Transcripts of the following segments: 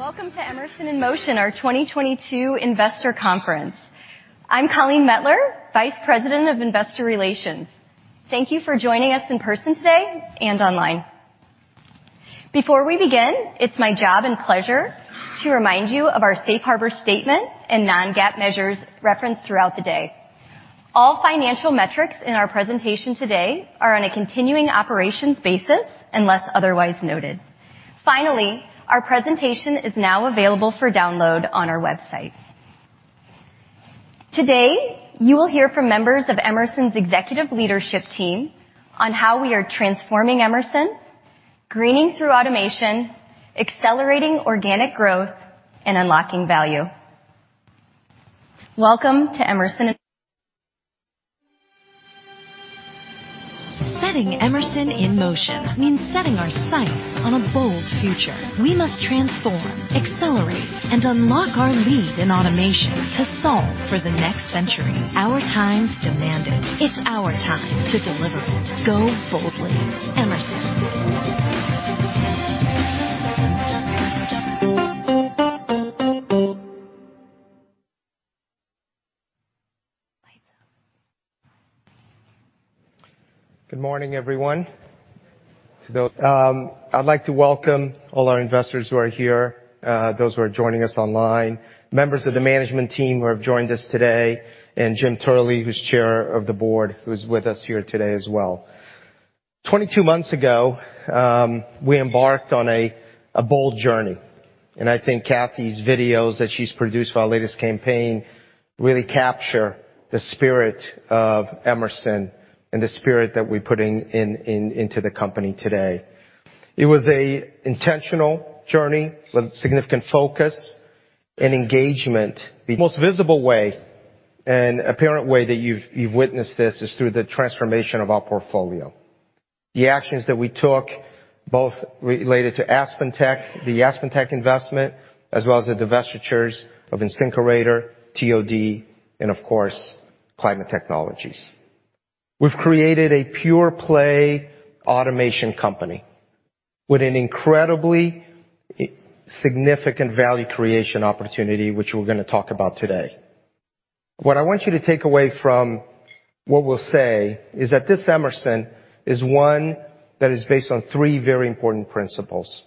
Welcome to Emerson InMotion, our 2022 investor conference. I'm Colleen Mettler, Vice President of Investor Relations. Thank you for joining us in person today and online. Before we begin, it's my job and pleasure to remind you of our safe harbor statement and non-GAAP measures referenced throughout the day. All financial metrics in our presentation today are on a continuing operations basis unless otherwise noted. Finally, our presentation is now available for download on our website. Today, you will hear from members of Emerson's executive leadership team on how we are transforming Emerson, greening through automation, accelerating organic growth, and unlocking value. Welcome to Emerson. Setting Emerson in motion means setting our sights on a bold future. We must transform, accelerate, and unlock our lead in automation to solve for the next century. Our times demand it. It's our time to deliver it. Go boldly. Emerson. Good morning, everyone. I'd like to welcome all our investors who are here, those who are joining us online, members of the management team who have joined us today, and Jim Turley, who's Chair of the Board, who's with us here today as well. 22 months ago, we embarked on a bold journey, and I think Kathy's videos that she's produced for our latest campaign really capture the spirit of Emerson and the spirit that we're putting into the company today. It was a intentional journey with significant focus and engagement. The most visible way and apparent way that you've witnessed this is through the transformation of our portfolio. The actions that we took, both related to AspenTech, the AspenTech investment, as well as the divestitures of InSinkErator, TOD, and of course, Climate Technologies. We've created a pure play automation company with an incredibly significant value creation opportunity, which we're gonna talk about today. What I want you to take away from what we'll say is that this Emerson is one that is based on three very important principles.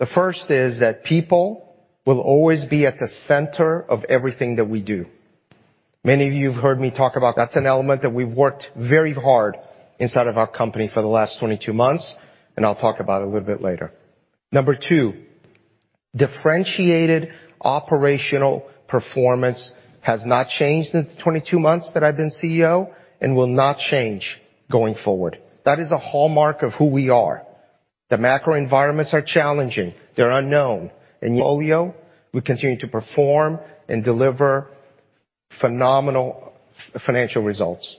The first is that people will always be at the center of everything that we do. Many of you have heard me talk about that's an element that we've worked very hard inside of our company for the last 22 months, and I'll talk about it a little bit later. Number 2, differentiated operational performance has not changed in the 22 months that I've been CEO and will not change going forward. That is a hallmark of who we are. The macro environments are challenging, they're unknown. In folio, we continue to perform and deliver phenomenal financial results.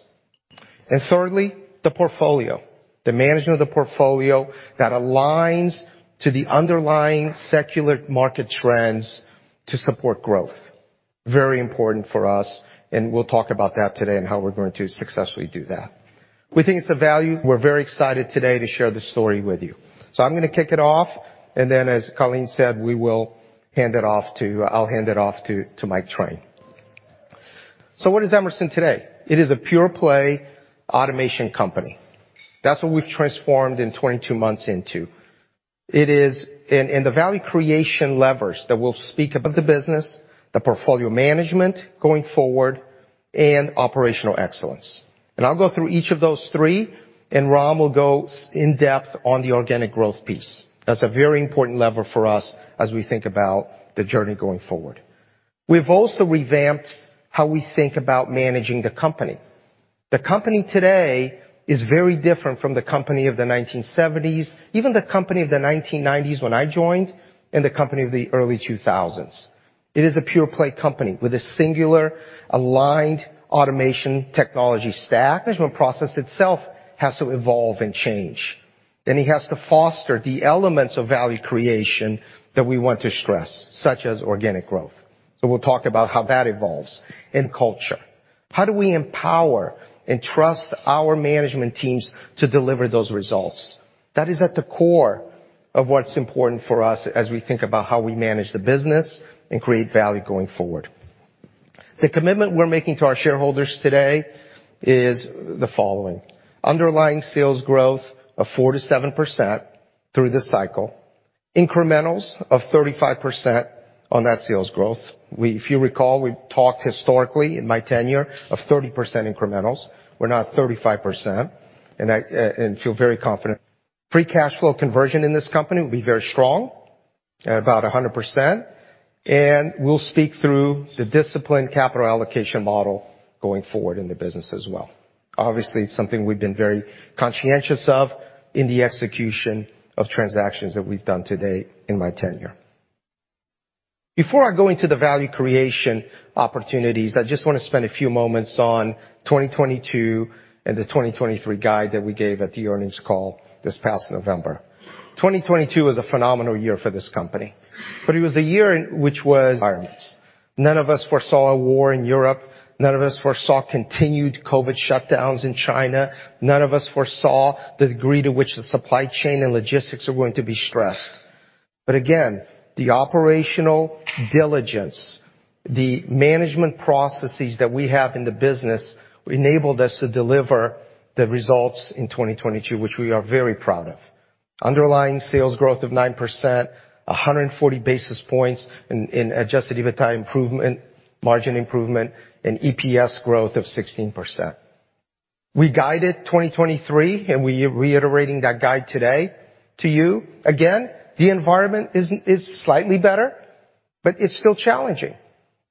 Thirdly, the portfolio. The management of the portfolio that aligns to the underlying secular market trends to support growth. Very important for us. We'll talk about that today and how we're going to successfully do that. We think it's a value. We're very excited today to share the story with you. I'm going to kick it off, and then as Colleen said, I'll hand it off to Mike Train. What is Emerson today? It is a pure play automation company. That's what we've transformed in 22 months into. The value creation levers that we'll speak about the business, the portfolio management going forward, and operational excellence. I'll go through each of those three, and Ram will go in-depth on the organic growth piece. That's a very important lever for us as we think about the journey going forward. We've also revamped how we think about managing the company. The company today is very different from the company of the 1970s, even the company of the 1990s when I joined, and the company of the early 2000s. It is a pure play company with a singular aligned automation technology stack. Management process itself has to evolve and change, and it has to foster the elements of value creation that we want to stress, such as organic growth. We'll talk about how that evolves in culture. How do we empower and trust our management teams to deliver those results? That is at the core of what's important for us as we think about how we manage the business and create value going forward. The commitment we're making to our shareholders today is the following: underlying sales growth of 4-7% through the cycle, incrementals of 35% on that sales growth. If you recall, we talked historically in my tenure of 30% incrementals. We're now at 35%, and I feel very confident. Free cash flow conversion in this company will be very strong at about 100%. We'll speak through the disciplined capital allocation model going forward in the business as well. Obviously, it's something we've been very conscientious of in the execution of transactions that we've done today in my tenure. Before I go into the value creation opportunities, I just wanna spend a few moments on 2022 and the 2023 guide that we gave at the earnings call this past November. 2022 was a phenomenal year for this company. It was a year which was- environments. None of us foresaw a war in Europe. None of us foresaw continued COVID shutdowns in China. None of us foresaw the degree to which the supply chain and logistics were going to be stressed. Again, the operational diligence, the management processes that we have in the business enabled us to deliver the results in 2022, which we are very proud of. Underlying sales growth of 9%, 140 basis points in adjusted EBITDA improvement, margin improvement, and EPS growth of 16%. We guided 2023, and we are reiterating that guide today to you. Again, the environment is slightly better, but it's still challenging.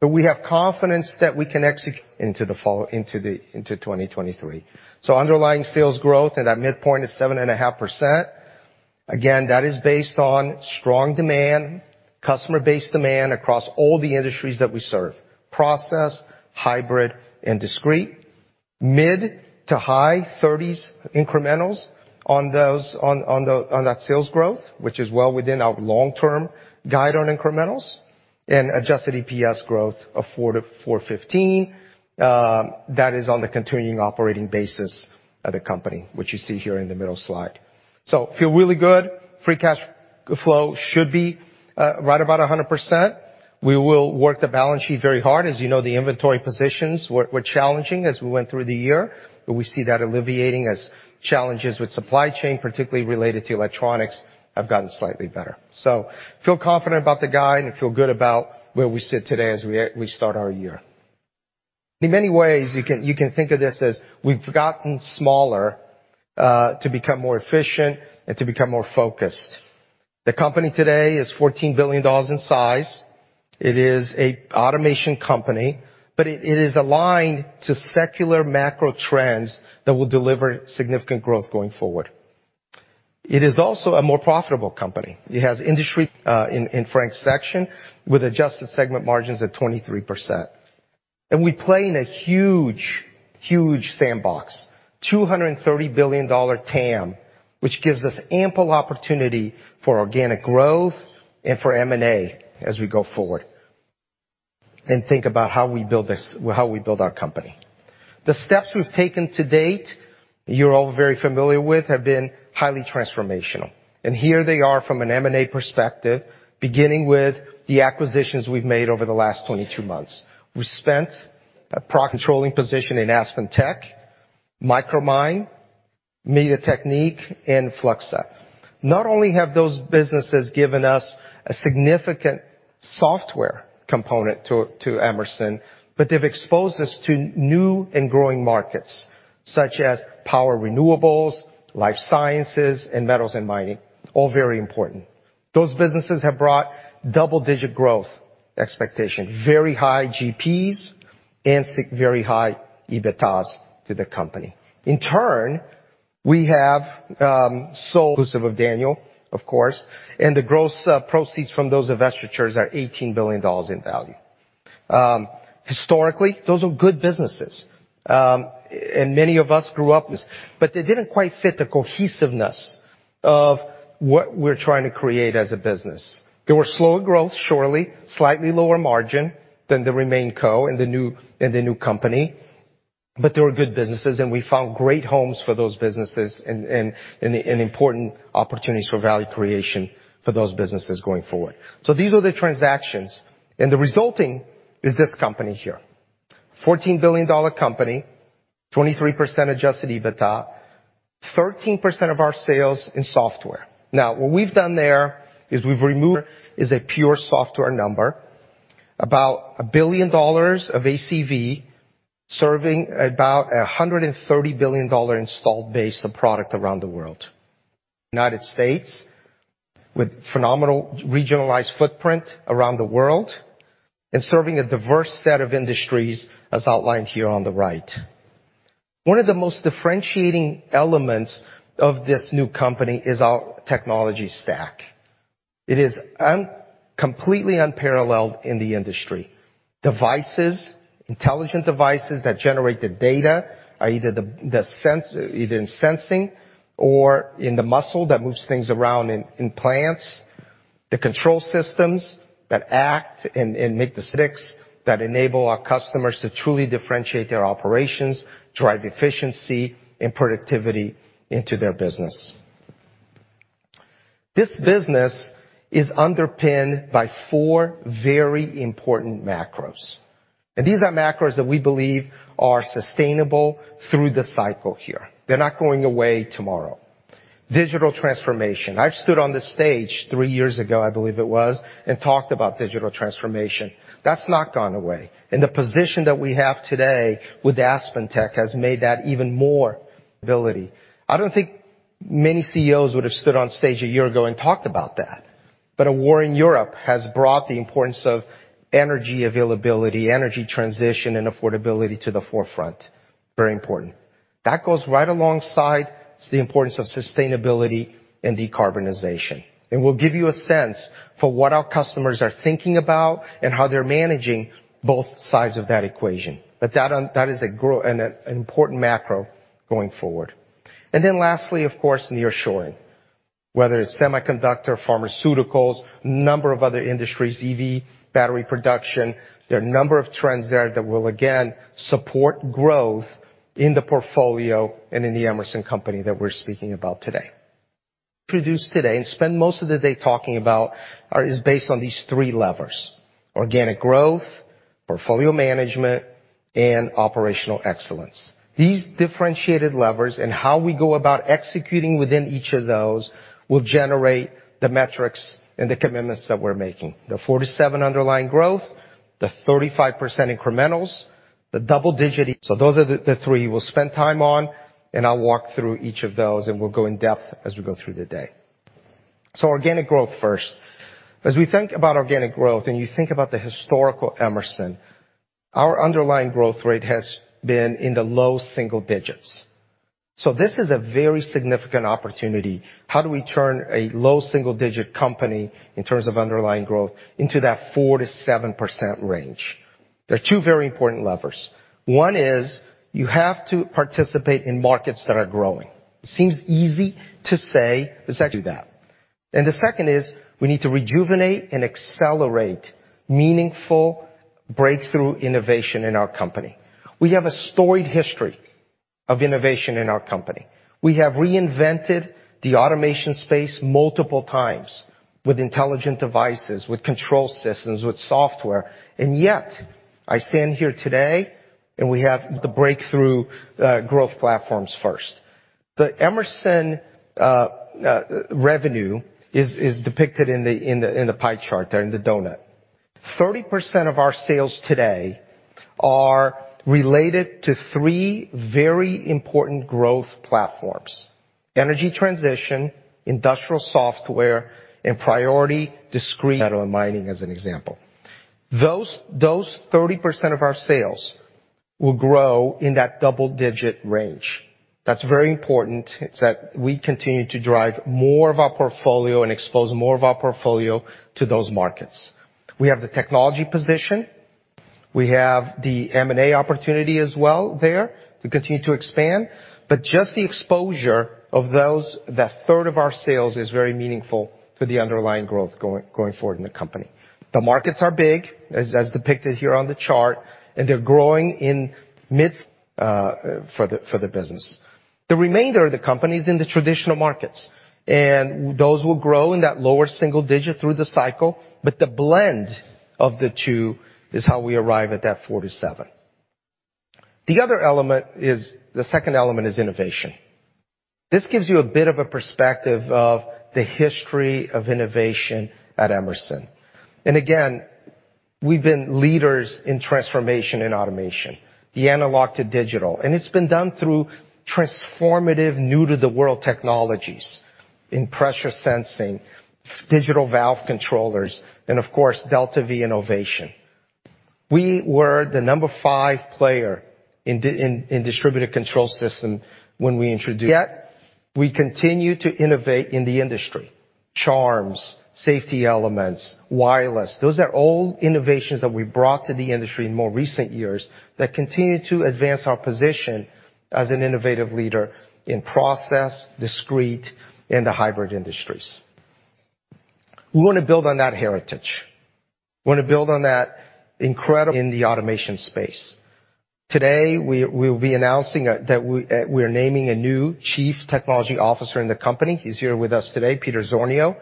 We have confidence that we can execute into 2023. Underlying sales growth at that midpoint is 7.5%. Again, that is based on strong demand, customer-based demand across all the industries that we serve, process, hybrid, and discrete. Mid to high thirties incrementals on that sales growth, which is well within our long-term guide on incrementals. Adjusted EPS growth of 4 to 4.15, that is on the continuing operating basis of the company, which you see here in the middle slide. Feel really good. Free cash flow should be right about 100%. We will work the balance sheet very hard. As you know, the inventory positions were challenging as we went through the year, but we see that alleviating as challenges with supply chain, particularly related to electronics, have gotten slightly better. Feel confident about the guide and feel good about where we sit today as we start our year. In many ways, you can think of this as we've gotten smaller to become more efficient and to become more focused. The company today is $14 billion in size. It is a automation company, but it is aligned to secular macro trends that will deliver significant growth going forward. It is also a more profitable company. It has industry in Frank Dell'Aquila's section with adjusted segment margins at 23%. We play in a huge sandbox, $230 billion TAM, which gives us ample opportunity for organic growth and for M&A as we go forward and think about how we build our company. The steps we've taken to date, you're all very familiar with, have been highly transformational. Here they are from an M&A perspective, beginning with the acquisitions we've made over the last 22 months. We spent a pro- controlling position in AspenTech, Micromine, Mita-Teknik, and Fluxa. Not only have those businesses given us a significant software component to Emerson, but they've exposed us to new and growing markets such as power renewables, life sciences, and metals and mining. All very important. Those businesses have brought double-digit growth expectation, very high GPs, and very high EBITDAs to the company. In turn, we have sold exclusive of Daniel, of course, and the gross proceeds from those divestitures are $18 billion in value. Historically, those are good businesses, and many of us grew up with. They didn't quite fit the cohesiveness of what we're trying to create as a business. They were slower growth, surely, slightly lower margin than the RemainCo and the new, and the new company. They were good businesses, and we found great homes for those businesses and important opportunities for value creation for those businesses going forward. These are the transactions, and the resulting is this company here. $14 billion company, 23% adjusted EBITDA, 13% of our sales in software. What we've done there is a pure software number, about $1 billion of ACV, serving about a $130 billion installed base of product around the world. United States with phenomenal regionalized footprint around the world and serving a diverse set of industries as outlined here on the right. One of the most differentiating elements of this new company is our technology stack. It is un-completely unparalleled in the industry. Devices, intelligent devices that generate the data are either in sensing or in the muscle that moves things around in plants, the control systems that act and make decisions that enable our customers to truly differentiate their operations, drive efficiency and productivity into their business. This business is underpinned by four very important macros. These are macros that we believe are sustainable through the cycle here. They're not going away tomorrow. Digital transformation. I've stood on this stage three years ago, I believe it was, and talked about digital transformation. That's not gone away. The position that we have today with AspenTech has made that even more ability. I don't think many CEOs would have stood on stage one year ago and talked about that. A war in Europe has brought the importance of energy availability, energy transition, and affordability to the forefront. Very important. That goes right alongside the importance of sustainability and decarbonization, and we'll give you a sense for what our customers are thinking about and how they're managing both sides of that equation. That is an important macro going forward. Lastly, of course, nearshoring. Whether it's semiconductor, pharmaceuticals, a number of other industries, EV, battery production, there are a number of trends there that will again, support growth in the portfolio and in the Emerson company that we're speaking about today. Produce today and spend most of the day talking about is based on these three levers, organic growth, portfolio management, and operational excellence. These differentiated levers and how we go about executing within each of those will generate the metrics and the commitments that we're making. The 4-7 underlying growth, the 35% incrementals, the double-digit. Those are the three we'll spend time on, and I'll walk through each of those, and we'll go in-depth as we go through the day. Organic growth first. As we think about organic growth, and you think about the historical Emerson, our underlying growth rate has been in the low single digits. This is a very significant opportunity. How do we turn a low single-digit company in terms of underlying growth into that 4-7% range? There are two very important levers. One is you have to participate in markets that are growing. It seems easy to say, do that. The second is we need to rejuvenate and accelerate meaningful breakthrough innovation in our company. We have a storied history of innovation in our company. We have reinvented the automation space multiple times with intelligent devices, with control systems, with software. Yet, I stand here today, and we have the breakthrough growth platforms first. The Emerson revenue is depicted in the pie chart there, in the donut. 30% of our sales today are related to 3 very important growth platforms: energy transition, industrial software, and priority discrete- metal and mining as an example. Those 30% of our sales will grow in that double-digit range. That's very important that we continue to drive more of our portfolio and expose more of our portfolio to those markets. We have the technology position, we have the M&A opportunity as well there to continue to expand. Just the exposure of those, the third of our sales is very meaningful to the underlying growth going forward in the company. The markets are big, as depicted here on the chart, they're growing in mid for the business. The remainder of the company is in the traditional markets, those will grow in that lower single digit through the cycle, the blend of the two is how we arrive at that 4%-7%. The other element, the second element is innovation. This gives you a bit of a perspective of the history of innovation at Emerson. Again, we've been leaders in transformation and automation, the analog to digital. It's been done through transformative new to the world technologies in pressure sensing, Digital Valve Controllers, and of course, DeltaV innovation. We were the number five player in distributed control system when we introduced. We continue to innovate in the industry. CHARMs, safety elements, wireless. Those are all innovations that we brought to the industry in more recent years that continue to advance our position as an innovative leader in process, discrete, and the hybrid industries. We wanna build on that heritage. We wanna build on that incredible in the automation space. Today, we'll be announcing that we're naming a new Chief Technology Officer in the company. He's here with us today, Peter Zornio.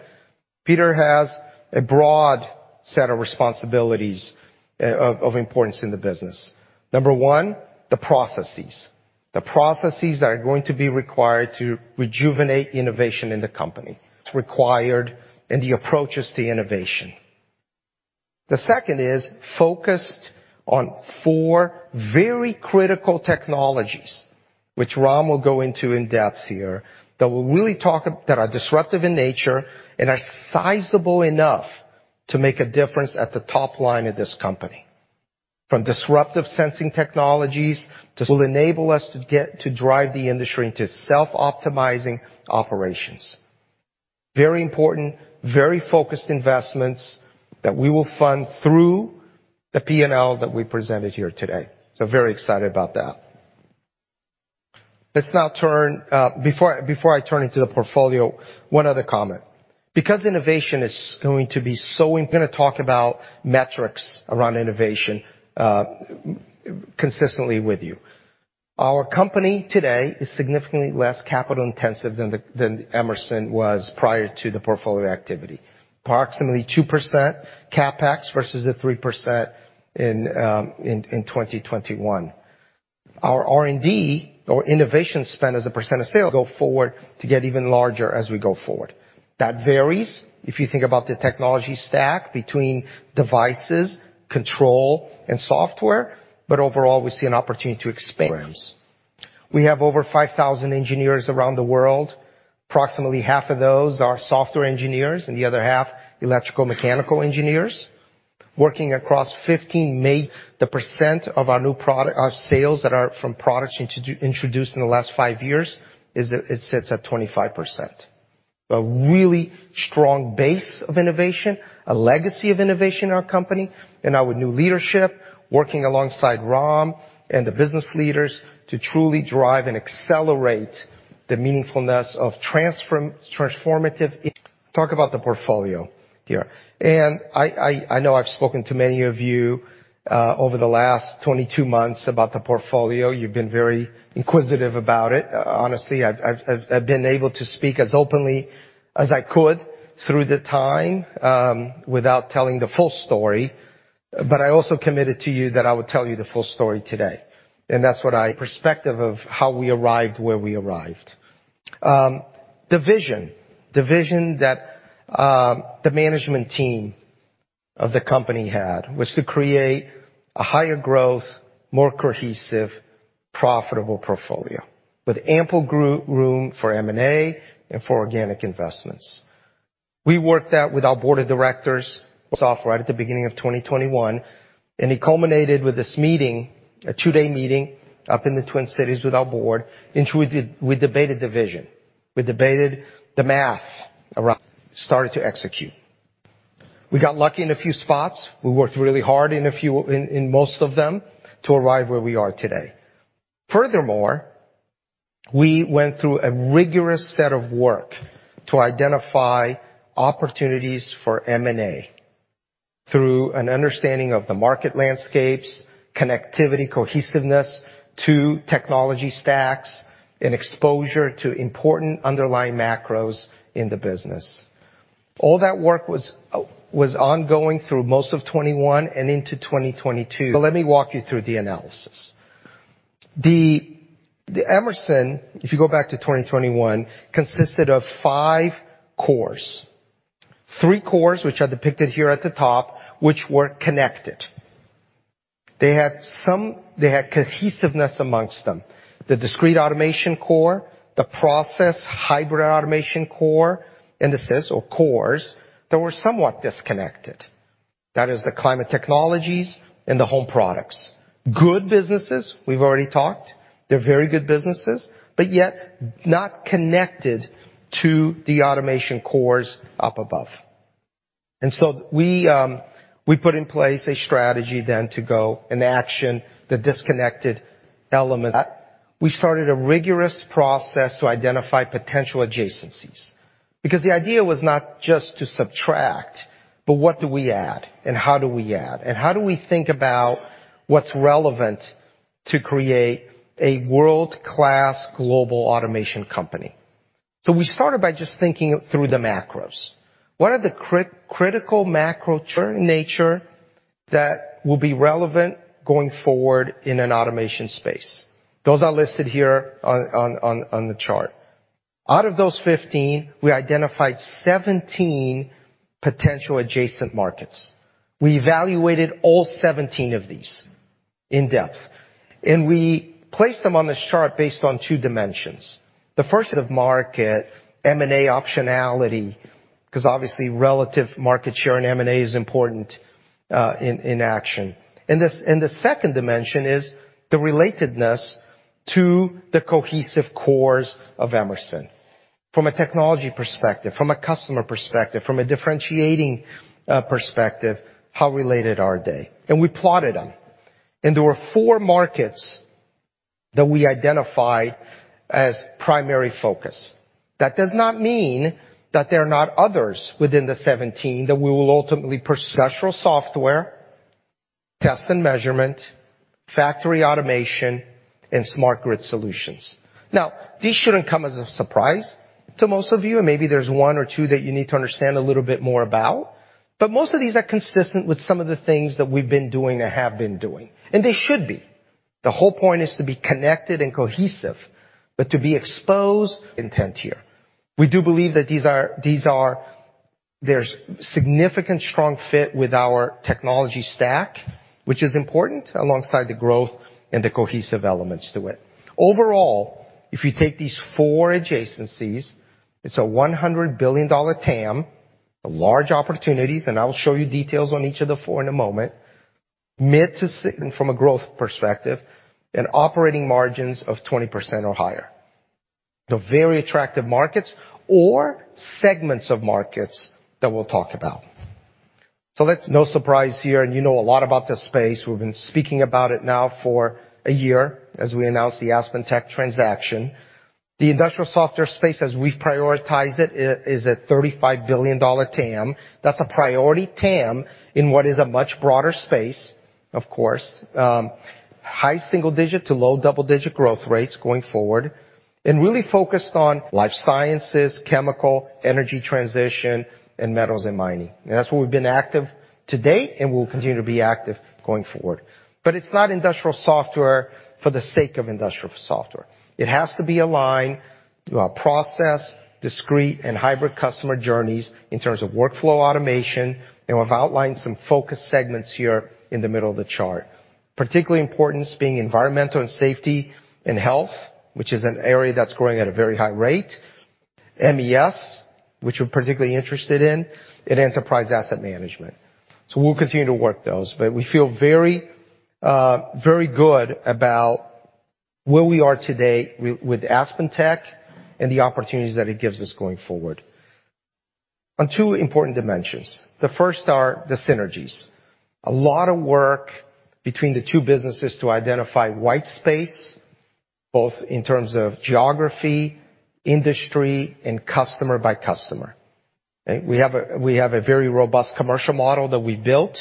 Peter has a broad set of responsibilities of importance in the business. Number one, the processes. The processes that are going to be required to rejuvenate innovation in the company. It's required in the approaches to innovation. The second is focused on four very critical technologies, which Ram will go into in depth here, that are disruptive in nature and are sizable enough to make a difference at the top line of this company. From disruptive sensing technologies will enable us to get to drive the industry into self-optimizing operations. Very important, very focused investments that we will fund through the P&L that we presented here today. Very excited about that. Let's now turn. Before I turn into the portfolio, one other comment. Innovation is going to be so gonna talk about metrics around innovation consistently with you. Our company today is significantly less capital-intensive than Emerson was prior to the portfolio activity. Approximately 2% CapEx versus the 3% in 2021. Our R&D or innovation spend as a percent of sales go forward to get even larger as we go forward. That varies if you think about the technology stack between devices, control, and software, but overall, we see an opportunity to expand programs. We have over 5,000 engineers around the world. Approximately half of those are software engineers, and the other half electrical mechanical engineers. The percent of our new sales that are from products introduced in the last 5 years it sits at 25%. A really strong base of innovation, a legacy of innovation in our company, and now a new leadership working alongside Ram and the business leaders to truly drive and accelerate the meaningfulness of transformative. Talk about the portfolio here. I know I've spoken to many of you over the last 22 months about the portfolio. You've been very inquisitive about it. Honestly, I've been able to speak as openly as I could through the time without telling the full story. I also committed to you that I would tell you the full story today. Perspective of how we arrived, where we arrived. The vision that the management team of the company had was to create a higher growth, more cohesive, profitable portfolio with ample room for M&A and for organic investments. We worked that with our board of directors off right at the beginning of 2021. It culminated with this meeting, a 2-day meeting up in the Twin Cities with our board, in which we debated the vision. We debated the math around. Started to execute. We got lucky in a few spots. We worked really hard in most of them to arrive where we are today. Furthermore, we went through a rigorous set of work to identify opportunities for M&A through an understanding of the market landscapes, connectivity, cohesiveness to technology stacks and exposure to important underlying macros in the business. All that work was ongoing through most of 2021 and into 2022. Let me walk you through the analysis. The Emerson, if you go back to 2021, consisted of 5 cores. 3 cores, which are depicted here at the top, which were connected. They had cohesiveness amongst them. The discrete automation core, the process hybrid automation core, and the cores that were somewhat disconnected. That is the Climate Technologies and the home products. Good businesses, we've already talked. They're very good businesses, but yet not connected to the automation cores up above. We put in place a strategy then to go and action the disconnected elements. We started a rigorous process to identify potential adjacencies. The idea was not just to subtract, but what do we add and how do we add? How do we think about what's relevant to create a world-class global automation company? We started by just thinking through the macros. What are the critical macro turn nature that will be relevant going forward in an automation space? Those are listed here on the chart. Out of those 15, we identified 17 potential adjacent markets. We evaluated all 17 of these in depth, we placed them on this chart based on 2 dimensions. The first of market M&A optionality, 'cause obviously, relative market share in M&A is important, in action. The second dimension is the relatedness to the cohesive cores of Emerson. From a technology perspective, from a customer perspective, from a differentiating perspective, how related are they? We plotted them. There were 4 markets that we identified as primary focus. That does not mean that there are not others within the 17 that we will ultimately pursue. Special software, test & measurement, factory automation, and smart grid solutions. These shouldn't come as a surprise to most of you, and maybe there's 1 or 2 that you need to understand a little bit more about. Most of these are consistent with some of the things that we've been doing or have been doing, and they should be. The whole point is to be connected and cohesive, but to be exposed. Intent here. We do believe that these are, there's significant strong fit with our technology stack, which is important alongside the growth and the cohesive elements to it. Overall, if you take these four adjacencies, it's a $100 billion TAM, large opportunities, and I will show you details on each of the four in a moment. Mid to from a growth perspective and operating margins of 20% or higher. The very attractive markets or segments of markets that we'll talk about. That's no surprise here, and you know a lot about this space. We've been speaking about it now for a year as we announced the AspenTech transaction. The industrial software space as we've prioritized it is a $35 billion TAM. That's a priority TAM in what is a much broader space, of course. high single-digit to low double-digit growth rates going forward and really focused on life sciences, chemical, energy transition, and metals and mining. That's where we've been active to date, and we'll continue to be active going forward. It's not industrial software for the sake of industrial software. It has to be aligned to our process, discrete, and hybrid customer journeys in terms of workflow automation. We've outlined some focus segments here in the middle of the chart. Particularly importance being environmental and safety and health, which is an area that's growing at a very high rate. MES, which we're particularly interested in, and enterprise asset management. We'll continue to work those, but we feel very, very good about where we are today with AspenTech and the opportunities that it gives us going forward. On 2 important dimensions, the first are the synergies. A lot of work between the 2 businesses to identify white space, both in terms of geography, industry, and customer by customer. We have a very robust commercial model that we built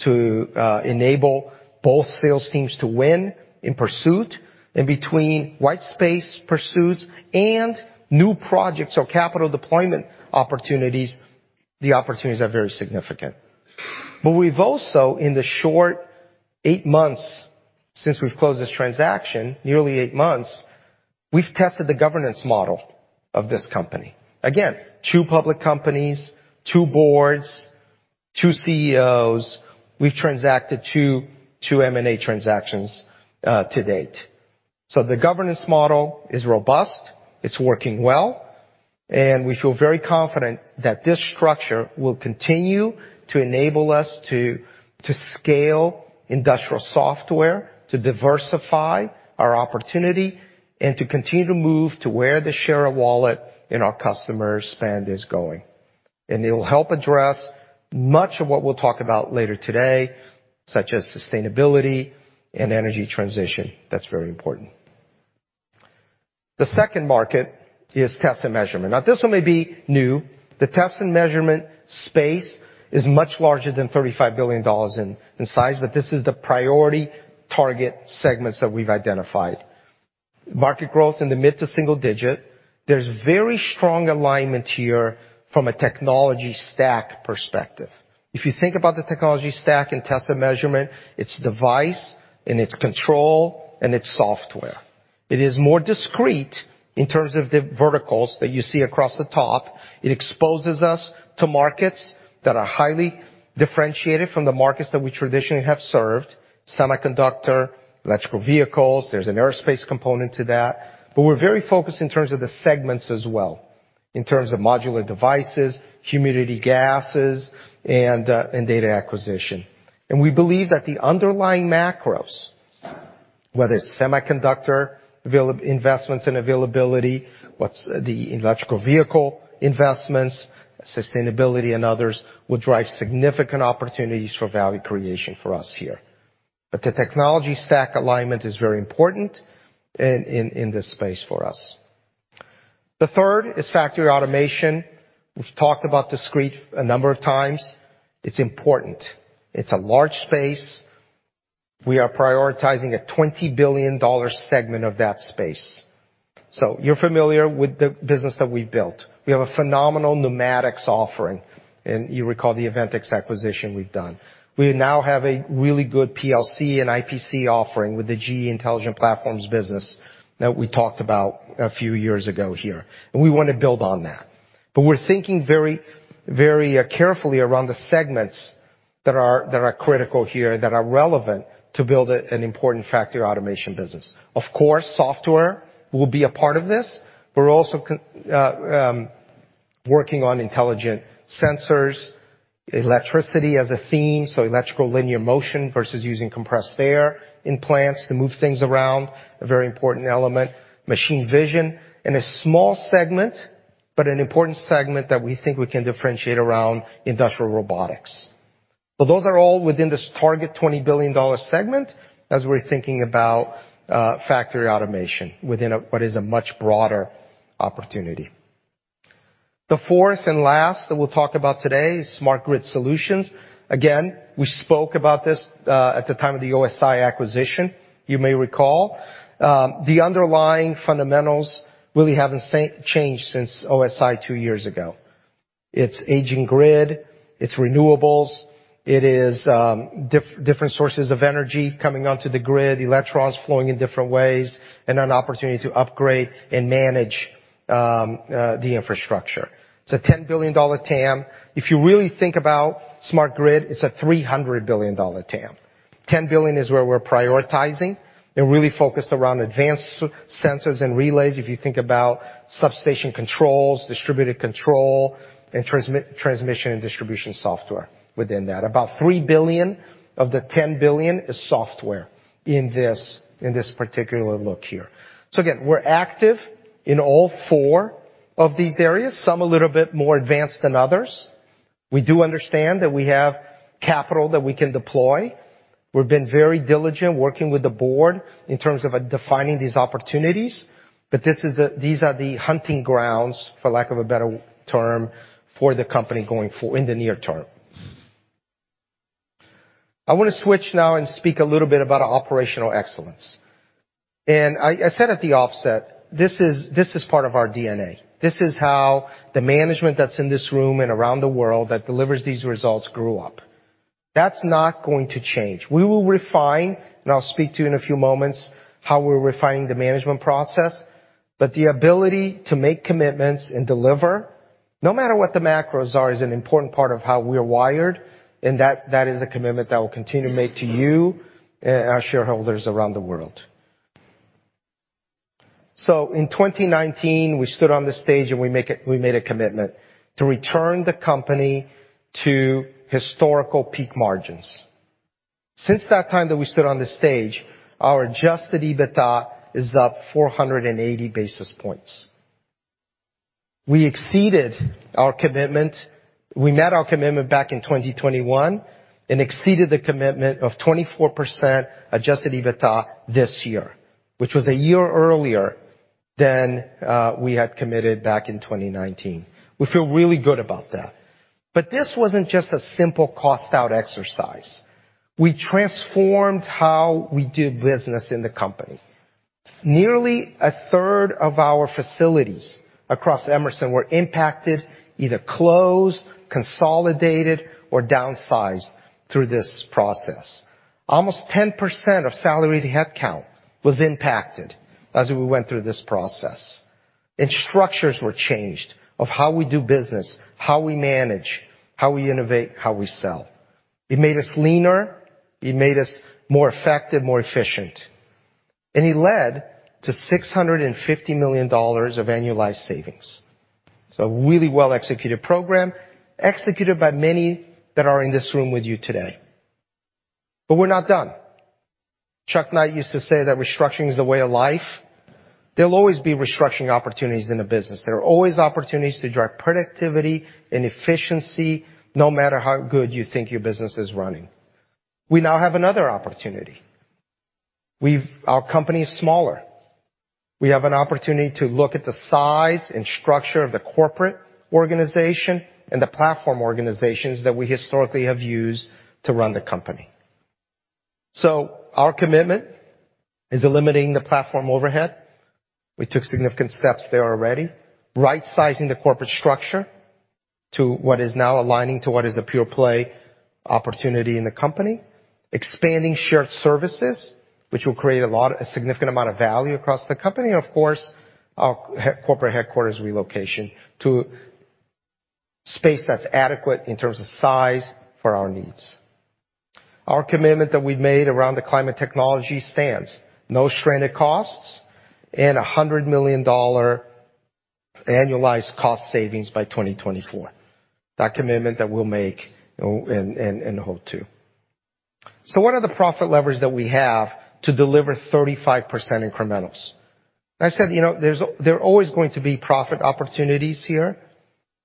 to enable both sales teams to win in pursuit. Between white space pursuits and new projects or capital deployment opportunities, the opportunities are very significant. We've also, in the short 8 months since we've closed this transaction, nearly 8 months, we've tested the governance model of this company. Again, 2 public companies, 2 boards, 2 CEOs. We've transacted two M&A transactions to date. The governance model is robust, it's working well, and we feel very confident that this structure will continue to enable us to scale industrial software, to diversify our opportunity, and to continue to move to where the share of wallet in our customer spend is going. It'll help address much of what we'll talk about later today, such as sustainability and energy transition. That's very important. The second market is test and measurement. This one may be new. The test and measurement space is much larger than $35 billion in size, but this is the priority target segments that we've identified. Market growth in the mid-to-single-digit. There's very strong alignment here from a technology stack perspective. If you think about the technology stack in test and measurement, it's device, and it's control, and it's software. It is more discrete in terms of the verticals that you see across the top. It exposes us to markets that are highly differentiated from the markets that we traditionally have served, semiconductor, electrical vehicles. There's an aerospace component to that. We're very focused in terms of the segments as well, in terms of modular devices, humidity gases, and data acquisition. We believe that the underlying macros, whether it's semiconductor investments and availability, what's the electrical vehicle investments, sustainability and others, will drive significant opportunities for value creation for us here. The technology stack alignment is very important in this space for us. The third is factory automation. We've talked about discrete a number of times. It's important. It's a large space. We are prioritizing a $20 billion segment of that space. You're familiar with the business that we built. We have a phenomenal pneumatics offering, and you recall the Aventics acquisition we've done. We now have a really good PLC and IPC offering with the GE Intelligent Platforms business that we talked about a few years ago here, and we want to build on that. We're thinking very, very carefully around the segments that are, that are critical here, that are relevant to build an important factory automation business. Of course, software will be a part of this, but we're also working on intelligent sensors, electricity as a theme, so electrical linear motion versus using compressed air in plants to move things around, a very important element. Machine vision. In a small segment, but an important segment that we think we can differentiate around, industrial robotics. Those are all within this target $20 billion segment as we're thinking about factory automation within a what is a much broader opportunity. The fourth and last that we'll talk about today is smart grid solutions. Again, we spoke about this at the time of the OSI acquisition, you may recall. The underlying fundamentals really haven't changed since OSI 2 years ago. It's aging grid, it's renewables, it is different sources of energy coming onto the grid, electrons flowing in different ways, and an opportunity to upgrade and manage the infrastructure. It's a $10 billion TAM. If you really think about smart grid, it's a $300 billion TAM. $10 billion is where we're prioritizing and really focused around advanced sensors and relays, if you think about substation controls, distributed control, and transmission and distribution software within that. About $3 billion of the $10 billion is software in this, in this particular look here. Again, we're active in all four of these areas, some a little bit more advanced than others. We do understand that we have capital that we can deploy. We've been very diligent working with the Board in terms of defining these opportunities, but these are the hunting grounds, for lack of a better term, for the company going in the near term. I want to switch now and speak a little bit about our operational excellence. I said at the offset, this is part of our DNA. This is how the management that's in this room and around the world that delivers these results grew up. That's not going to change. We will refine, and I'll speak to you in a few moments how we're refining the management process, but the ability to make commitments and deliver, no matter what the macros are, is an important part of how we're wired, and that is a commitment that we'll continue to make to you, our shareholders around the world. In 2019, we stood on the stage, and we made a commitment to return the company to historical peak margins. Since that time that we stood on the stage, our adjusted EBITDA is up 480 basis points. We exceeded our commitment. We met our commitment back in 2021 and exceeded the commitment of 24% EBITDA this year, which was a year earlier than we had committed back in 2019. We feel really good about that. This wasn't just a simple cost out exercise. We transformed how we do business in the company. Nearly a third of our facilities across Emerson were impacted, either closed, consolidated, or downsized through this process. Almost 10% of salaried headcount was impacted as we went through this process. Structures were changed of how we do business, how we manage, how we innovate, how we sell. It made us leaner, it made us more effective, more efficient. It led to $650 million of annualized savings. It's a really well-executed program, executed by many that are in this room with you today. We're not done. Chuck Knight used to say that restructuring is a way of life. There'll always be restructuring opportunities in a business. There are always opportunities to drive productivity and efficiency, no matter how good you think your business is running. We now have another opportunity. Our company is smaller. We have an opportunity to look at the size and structure of the corporate organization and the platform organizations that we historically have used to run the company. Our commitment is eliminating the platform overhead. We took significant steps there already. Right-sizing the corporate structure to what is now aligning to what is a pure play opportunity in the company. Expanding shared services, which will create a significant amount of value across the company. Of course, our corporate headquarters relocation to space that's adequate in terms of size for our needs. Our commitment that we made around the climate technology stands. No stranded costs and $100 million annualized cost savings by 2024. That commitment that we'll make and hold to. What are the profit levers that we have to deliver 35% incrementals? I said, you know, there are always going to be profit opportunities here.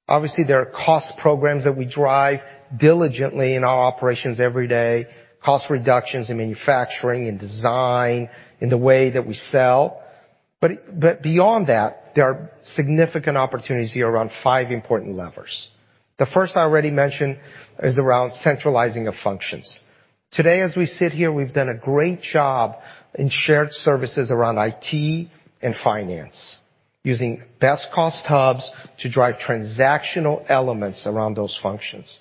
Obviously, there are cost programs that we drive diligently in our operations every day. Cost reductions in manufacturing, in design, in the way that we sell. But beyond that, there are significant opportunities here around five important levers. The first I already mentioned is around centralizing of functions. Today, as we sit here, we've done a great job in shared services around IT and finance, using best cost hubs to drive transactional elements around those functions.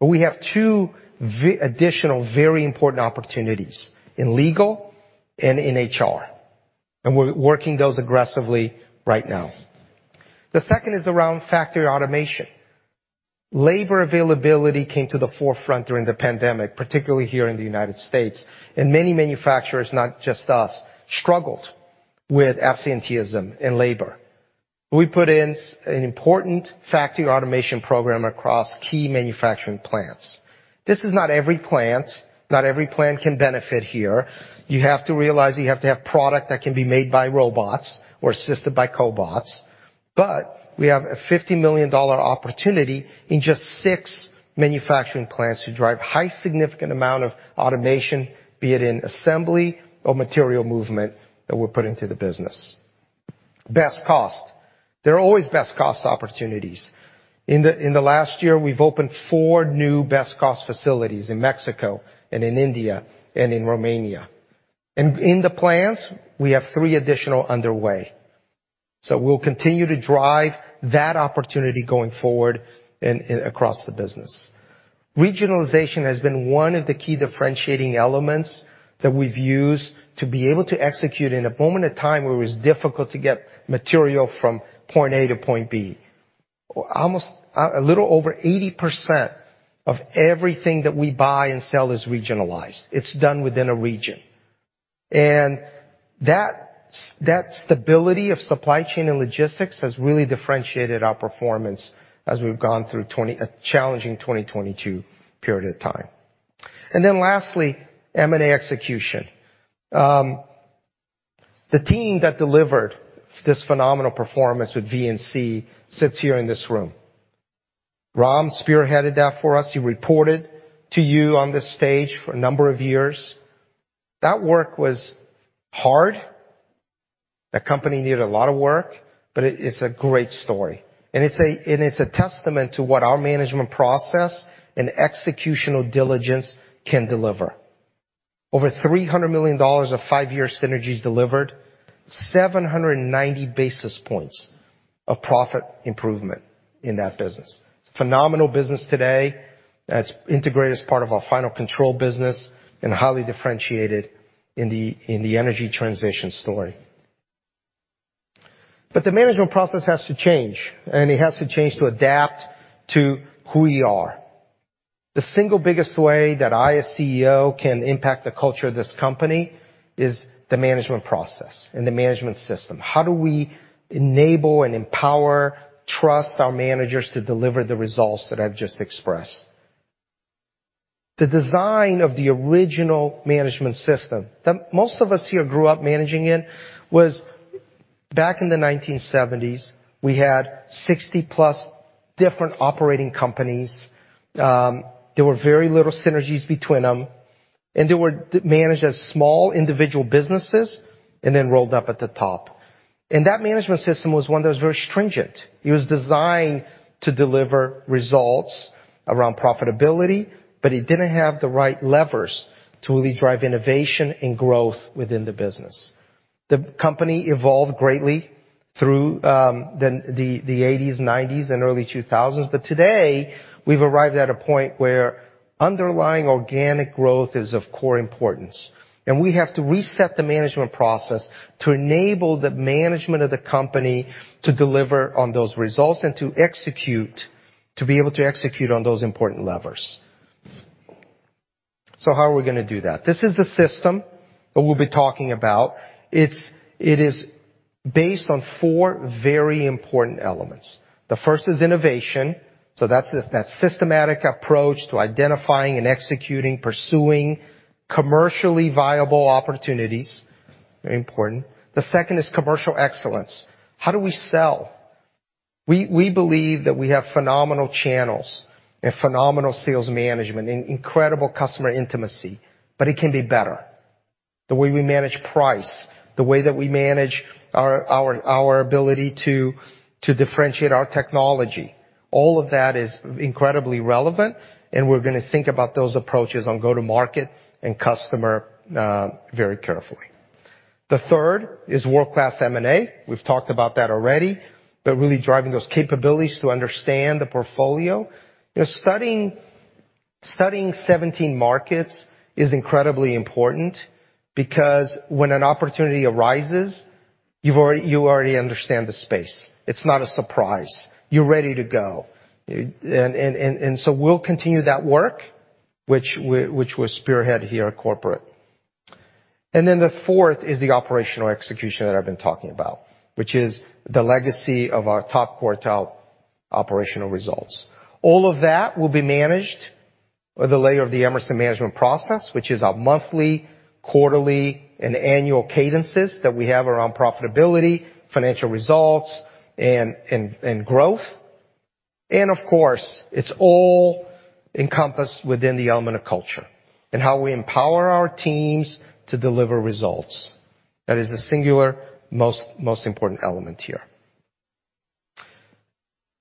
We have two additional very important opportunities in legal and in HR, and we're working those aggressively right now. The second is around factory automation. Labor availability came to the forefront during the pandemic, particularly here in the United States, and many manufacturers, not just us, struggled with absenteeism and labor. We put in an important factory automation program across key manufacturing plants. This is not every plant. Not every plant can benefit here. You have to realize you have to have product that can be made by robots or assisted by cobots. We have a $50 million opportunity in just six manufacturing plants to drive high significant amount of automation, be it in assembly or material movement that we're putting to the business. Best cost. There are always best cost opportunities. In the last year, we've opened four new best cost facilities in Mexico and in India and in Romania. In the plans, we have three additional underway. We'll continue to drive that opportunity going forward across the business. Regionalization has been one of the key differentiating elements that we've used to be able to execute in a moment of time where it's difficult to get material from point A to point B. A little over 80% of everything that we buy and sell is regionalized. It's done within a region. That stability of supply chain and logistics has really differentiated our performance as we've gone through a challenging 2022 period of time. Lastly, M&A execution. The team that delivered this phenomenal performance with VNC sits here in this room. Ram spearheaded that for us. He reported to you on this stage for a number of years. That work was hard. That company needed a lot of work, but it is a great story. It's a testament to what our management process and executional diligence can deliver. Over $300 million of 5-year synergies delivered, 790 basis points of profit improvement in that business. Phenomenal business today, that's integrated as part of our final control business and highly differentiated in the energy transition story. The management process has to change, and it has to change to adapt to who we are. The single biggest way that I as CEO can impact the culture of this company is the management process and the management system. How do we enable and empower, trust our managers to deliver the results that I've just expressed? The design of the original management system that most of us here grew up managing in was back in the 1970s. We had 60-plus different operating companies. There were very little synergies between them, and they were managed as small individual businesses and then rolled up at the top. That management system was one that was very stringent. It was designed to deliver results around profitability, but it didn't have the right levers to really drive innovation and growth within the business. The company evolved greatly through the 1980s, 1990s and early 2000s, but today we've arrived at a point where underlying organic growth is of core importance. We have to reset the management process to enable the management of the company to deliver on those results and to be able to execute on those important levers. How are we gonna do that? This is the system that we'll be talking about. It is based on four very important elements. The first is innovation, so that's this, that systematic approach to identifying and executing, pursuing commercially viable opportunities. Very important. The second is commercial excellence. How do we sell? We, we believe that we have phenomenal channels and phenomenal sales management and incredible customer intimacy. It can be better. The way we manage price, the way that we manage our ability to differentiate our technology, all of that is incredibly relevant, and we're gonna think about those approaches on go-to-market and customer very carefully. The third is world-class M&A. We've talked about that already, but really driving those capabilities to understand the portfolio. You know, studying 17 markets is incredibly important because when an opportunity arises, you already understand the space. It's not a surprise. You're ready to go. We'll continue that work, which was spearheaded here at corporate. The fourth is the operational execution that I've been talking about, which is the legacy of our top quartile operational results. All of that will be managed with the layer of the Emerson management process, which is our monthly, quarterly, and annual cadences that we have around profitability, financial results, and growth. Of course, it's all encompassed within the element of culture and how we empower our teams to deliver results. That is the singular most important element here.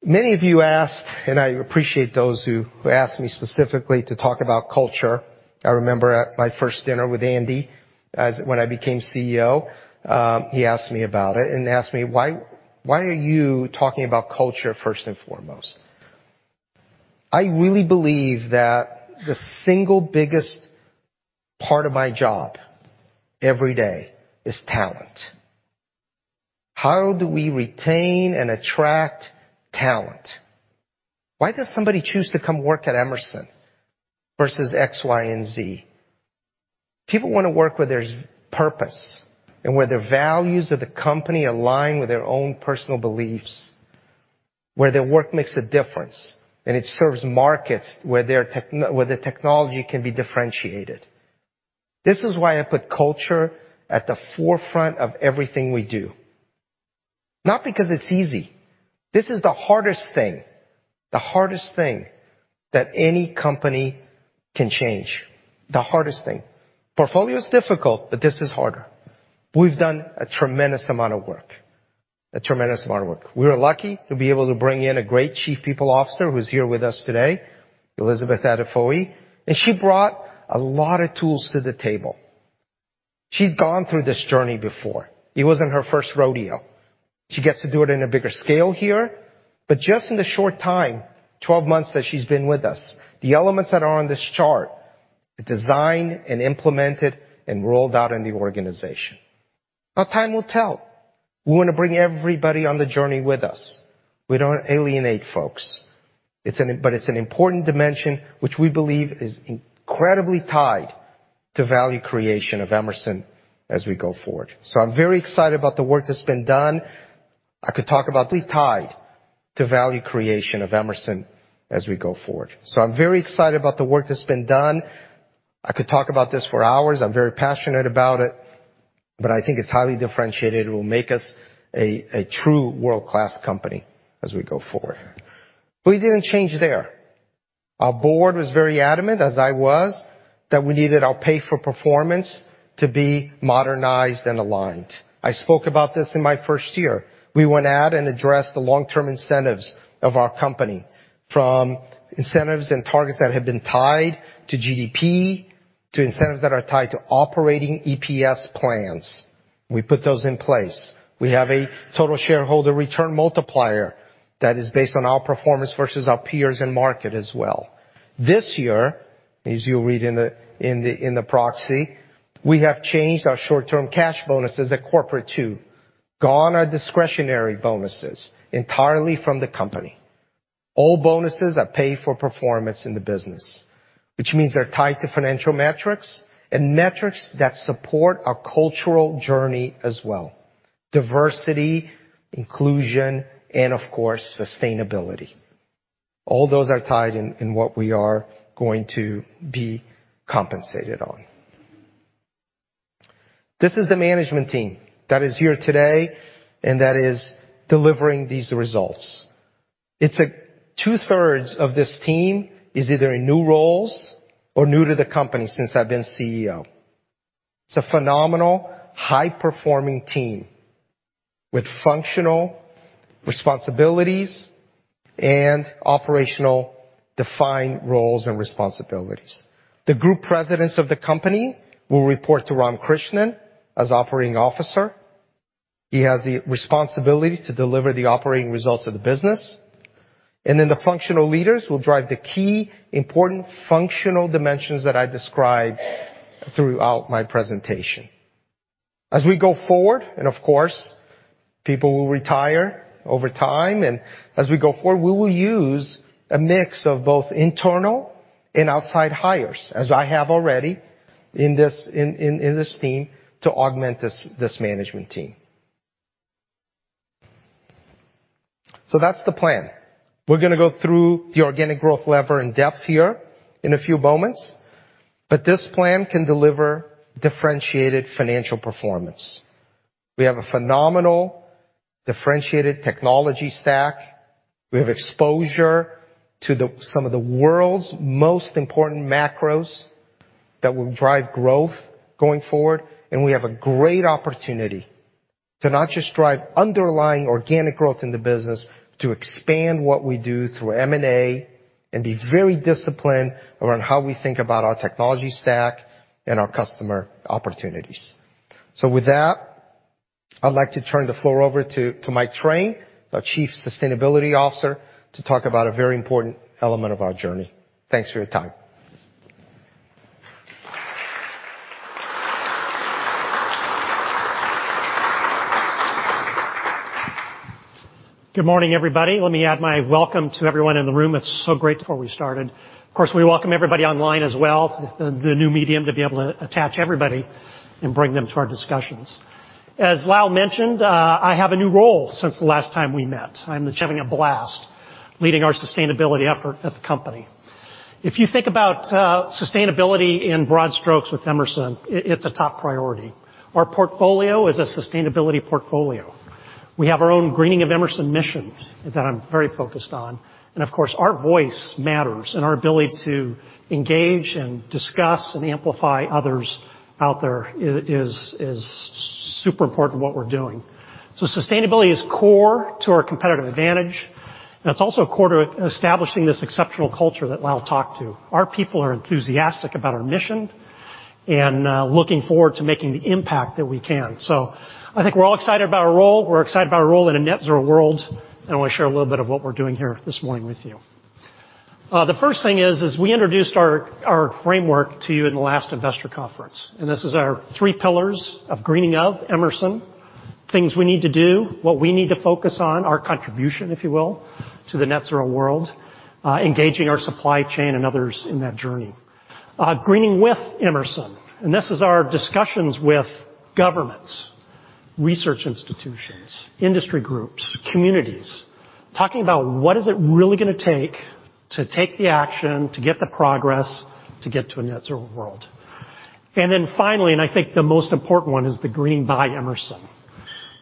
Many of you asked, and I appreciate those who asked me specifically to talk about culture. I remember at my first dinner with Andy when I became CEO, he asked me about it and asked me, "Why are you talking about culture first and foremost?" I really believe that the single biggest part of my job every day is talent. How do we retain and attract talent? Why does somebody choose to come work at Emerson versus X, Y, and Z? People wanna work where there's purpose and where the values of the company align with their own personal beliefs, where the technology can be differentiated. This is why I put culture at the forefront of everything we do. Not because it's easy. This is the hardest thing that any company can change. The hardest thing. Portfolio's difficult, but this is harder. We've done a tremendous amount of work. We were lucky to be able to bring in a great Chief People Officer who's here with us today, Elizabeth Adefioye. She brought a lot of tools to the table. She's gone through this journey before. It wasn't her first rodeo. She gets to do it in a bigger scale here. Just in the short time, 12 months that she's been with us, the elements that are on this chart are designed and implemented and rolled out in the organization. Time will tell. We wanna bring everybody on the journey with us. We don't alienate folks. It's an important dimension which we believe is incredibly tied to value creation of Emerson as we go forward. I'm very excited about the work that's been done. I could talk about the tide to value creation of Emerson as we go forward. I'm very excited about the work that's been done. I could talk about this for hours. I'm very passionate about it, but I think it's highly differentiated. It will make us a true world-class company as we go forward. We didn't change there. Our board was very adamant, as I was, that we needed our pay for performance to be modernized and aligned. I spoke about this in my first year. We went out and addressed the long-term incentives of our company, from incentives and targets that have been tied to GDP, to incentives that are tied to operating EPS plans. We put those in place. We have a total shareholder return multiplier that is based on our performance versus our peers and market as well. This year, as you read in the proxy, we have changed our short-term cash bonuses at corporate too. Gone are discretionary bonuses entirely from the company. All bonuses are paid for performance in the business, which means they're tied to financial metrics and metrics that support our cultural journey as well, diversity, inclusion, and of course, sustainability. All those are tied in what we are going to be compensated on. This is the management team that is here today and that is delivering these results. It's two-thirds of this team is either in new roles or new to the company since I've been CEO. It's a phenomenal, high-performing team with functional responsibilities and operational defined roles and responsibilities. The group presidents of the company will report to Ram Krishnan as Operating Officer. He has the responsibility to deliver the operating results of the business. The functional leaders will drive the key important functional dimensions that I described throughout my presentation. As we go forward, and of course, people will retire over time, and as we go forward, we will use a mix of both internal and outside hires, as I have already in this team to augment this management team. That's the plan. We're going to go through the organic growth lever in depth here in a few moments, but this plan can deliver differentiated financial performance. We have a phenomenal differentiated technology stack. We have exposure to some of the world's most important macros that will drive growth going forward. We have a great opportunity to not just drive underlying organic growth in the business, to expand what we do through M&A and be very disciplined around how we think about our technology stack and our customer opportunities. With that, I'd like to turn the floor over to Mike Train, our Chief Sustainability Officer, to talk about a very important element of our journey. Thanks for your time. Good morning, everybody. Let me add my welcome to everyone in the room. It's so great before we started. We welcome everybody online as well, the new medium to be able to attach everybody and bring them to our discussions. As Lal mentioned, I have a new role since the last time we met. I'm having a blast leading our sustainability effort at the company. If you think about sustainability in broad strokes with Emerson, it's a top priority. Our portfolio is a sustainability portfolio. We have our own Greening of Emerson mission that I'm very focused on. Of course, our voice matters and our ability to engage and discuss and amplify others out there is super important to what we're doing. Sustainability is core to our competitive advantage, and it's also core to establishing this exceptional culture that Lal talked to. Our people are enthusiastic about our mission and looking forward to making the impact that we can. I think we're all excited about our role. We're excited about our role in a net zero world. I want to share a little bit of what we're doing here this morning with you. The first thing is we introduced our framework to you in the last investor conference, and this is our three pillars of Greening of Emerson. Things we need to do, what we need to focus on, our contribution, if you will, to the net zero world, engaging our supply chain and others in that journey. Greening with Emerson, this is our discussions with governments, research institutions, industry groups, communities, talking about what is it really gonna take to take the action, to get the progress, to get to a net zero world. Finally, I think the most important one is the Green by Emerson.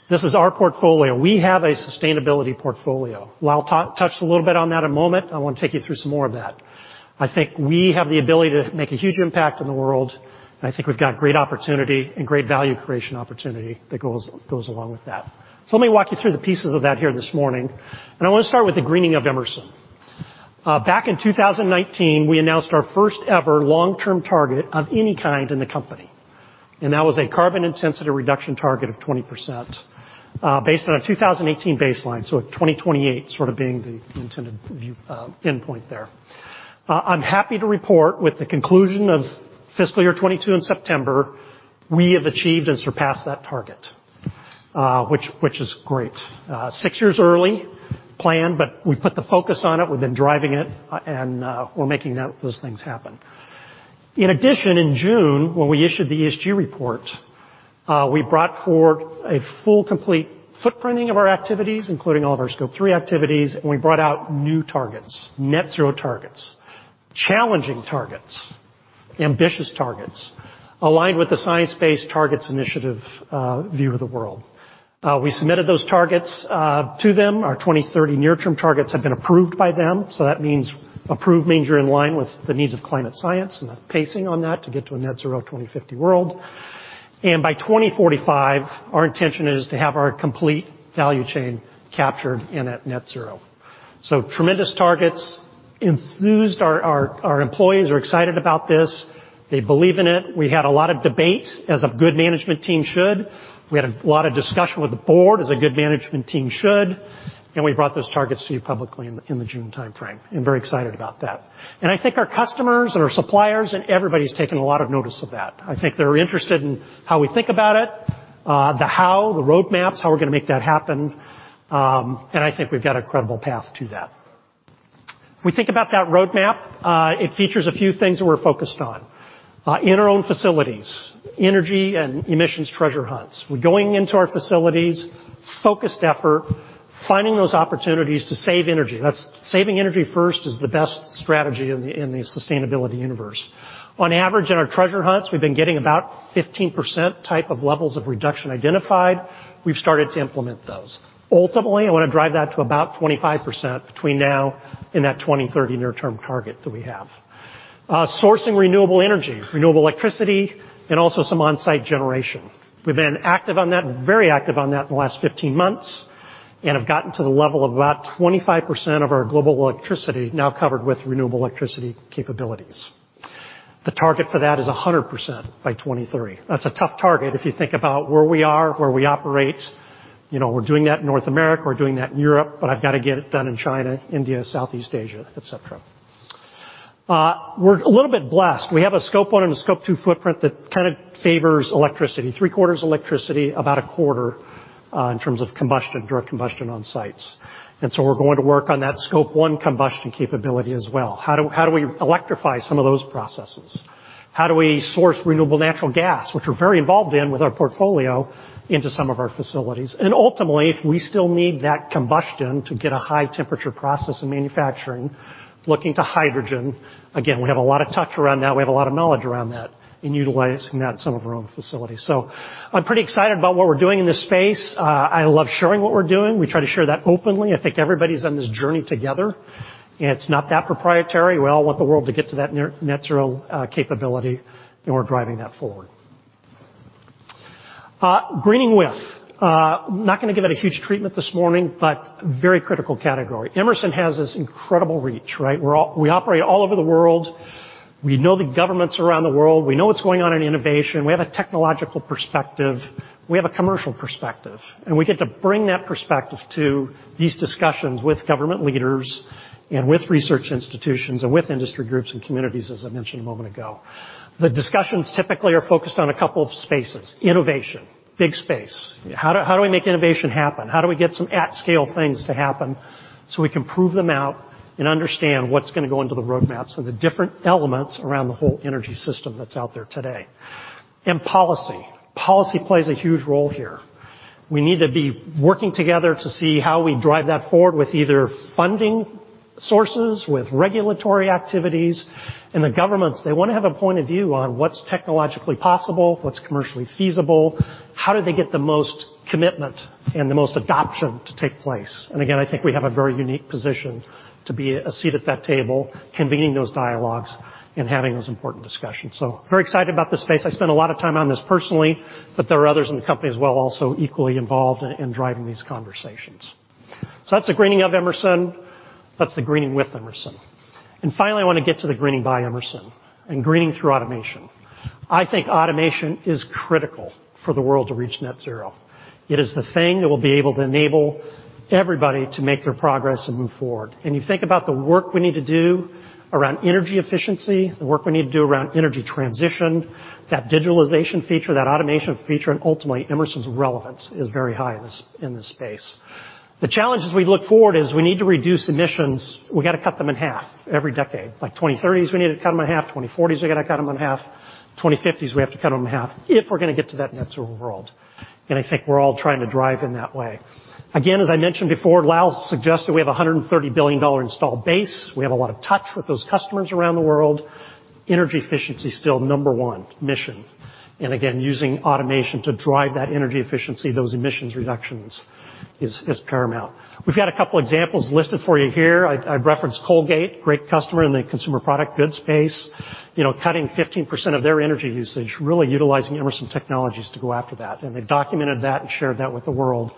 This is our portfolio. We have a sustainability portfolio. Lal touched a little bit on that a moment. I want to take you through some more of that. I think we have the ability to make a huge impact in the world, and I think we've got great opportunity and great value creation opportunity that goes along with that. Let me walk you through the pieces of that here this morning. I want to start with the Greening of Emerson. Back in 2019, we announced our first-ever long-term target of any kind in the company, and that was a carbon intensity reduction target of 20%, based on a 2018 baseline. At 2028 sort of being the intended view, endpoint there. I'm happy to report with the conclusion of fiscal year 2022 in September, we have achieved and surpassed that target, which is great. 6 years early plan, but we put the focus on it. We've been driving it, and we're making those things happen. In addition, in June, when we issued the ESG report, we brought forward a full complete footprinting of our activities, including all of our Scope 3 activities, and we brought out new targets, net zero targets, challenging targets, ambitious targets, aligned with the Science Based Targets initiative view of the world. We submitted those targets to them. Our 2030 near term targets have been approved by them. That means, approved means you're in line with the needs of climate science and the pacing on that to get to a net zero 2050 world. By 2045, our intention is to have our complete value chain captured in at net zero. Tremendous targets. Enthused our employees are excited about this. They believe in it. We had a lot of debate as a good management team should. We had a lot of discussion with the board as a good management team should, we brought those targets to you publicly in the June timeframe. I'm very excited about that. I think our customers and our suppliers and everybody's taking a lot of notice of that. I think they're interested in how we think about it, the how, the roadmaps, how we're gonna make that happen, and I think we've got a credible path to that. We think about that roadmap. It features a few things that we're focused on. In our own facilities, energy and emissions treasure hunts. We're going into our facilities, focused effort, finding those opportunities to save energy. Saving energy first is the best strategy in the sustainability universe. On average, in our treasure hunts, we've been getting about 15% type of levels of reduction identified. We've started to implement those. Ultimately, I wanna drive that to about 25% between now and that 2030 near-term target that we have. Sourcing renewable energy, renewable electricity, and also some on-site generation. We've been active on that, very active on that in the last 15 months and have gotten to the level of about 25% of our global electricity now covered with renewable electricity capabilities. The target for that is 100% by 2023. That's a tough target if you think about where we are, where we operate. You know, we're doing that in North America, we're doing that in Europe, but I've gotta get it done in China, India, Southeast Asia, et cetera. We're a little bit blessed. We have a Scope 1 and a Scope 2 footprint that kind of favors electricity. Three-quarters electricity, about a quarter in terms of combustion, direct combustion on sites. We're going to work on that Scope 1 combustion capability as well. How do we electrify some of those processes? How do we source renewable natural gas, which we're very involved in with our portfolio, into some of our facilities? Ultimately, if we still need that combustion to get a high temperature process in manufacturing, looking to hydrogen, again, we have a lot of touch around that. We have a lot of knowledge around that in utilizing that in some of our own facilities. I'm pretty excited about what we're doing in this space. I love sharing what we're doing. We try to share that openly. I think everybody's on this journey together, and it's not that proprietary. We all want the world to get to that net, net zero, uh, capability, and we're driving that forward. Uh, greening with. Uh, not gonna give it a huge treatment this morning, but very critical category. Emerson has this incredible reach, right? We're all-- we operate all over the world. We know the governments around the world. We know what's going on in innovation. We have a technological perspective. We have a commercial perspective, and we get to bring that perspective to these discussions with government leaders and with research institutions and with industry groups and communities, as I mentioned a moment ago. The discussions typically are focused on a couple of spaces. Innovation, big space. How do, how do we make innovation happen? How do we get some at scale things to happen so we can prove them out and understand what's gonna go into the roadmaps and the different elements around the whole energy system that's out there today? Policy. Policy plays a huge role here. We need to be working together to see how we drive that forward with either funding sources, with regulatory activities. The governments, they wanna have a point of view on what's technologically possible, what's commercially feasible, how do they get the most commitment and the most adoption to take place? Again, I think we have a very unique position to be a seat at that table, convening those dialogues and having those important discussions. Very excited about this space. I spend a lot of time on this personally, there are others in the company as well also equally involved in driving these conversations. That's the greening of Emerson. That's the greening with Emerson. Finally, I wanna get to the greening by Emerson and greening through automation. I think automation is critical for the world to reach net zero. It is the thing that will be able to enable everybody to make their progress and move forward. You think about the work we need to do around energy efficiency, the work we need to do around energy transition, that digitalization feature, that automation feature, and ultimately Emerson's relevance is very high in this space. The challenges we look forward is we need to reduce emissions. We gotta cut them in half every decade. By 2030s, we need to cut them in half. 2040s, we gotta cut them in half. 2050s, we have to cut them in half if we're gonna get to that net zero world. I think we're all trying to drive in that way. Again, as I mentioned before, Lal suggested we have a $130 billion install base. We have a lot of touch with those customers around the world. Energy efficiency is still number one mission. Again, using automation to drive that energy efficiency, those emissions reductions is paramount. We've got a couple examples listed for you here. I referenced Colgate, great customer in the consumer product goods space. You know, cutting 15% of their energy usage, really utilizing Emerson technologies to go after that. They documented that and shared that with the world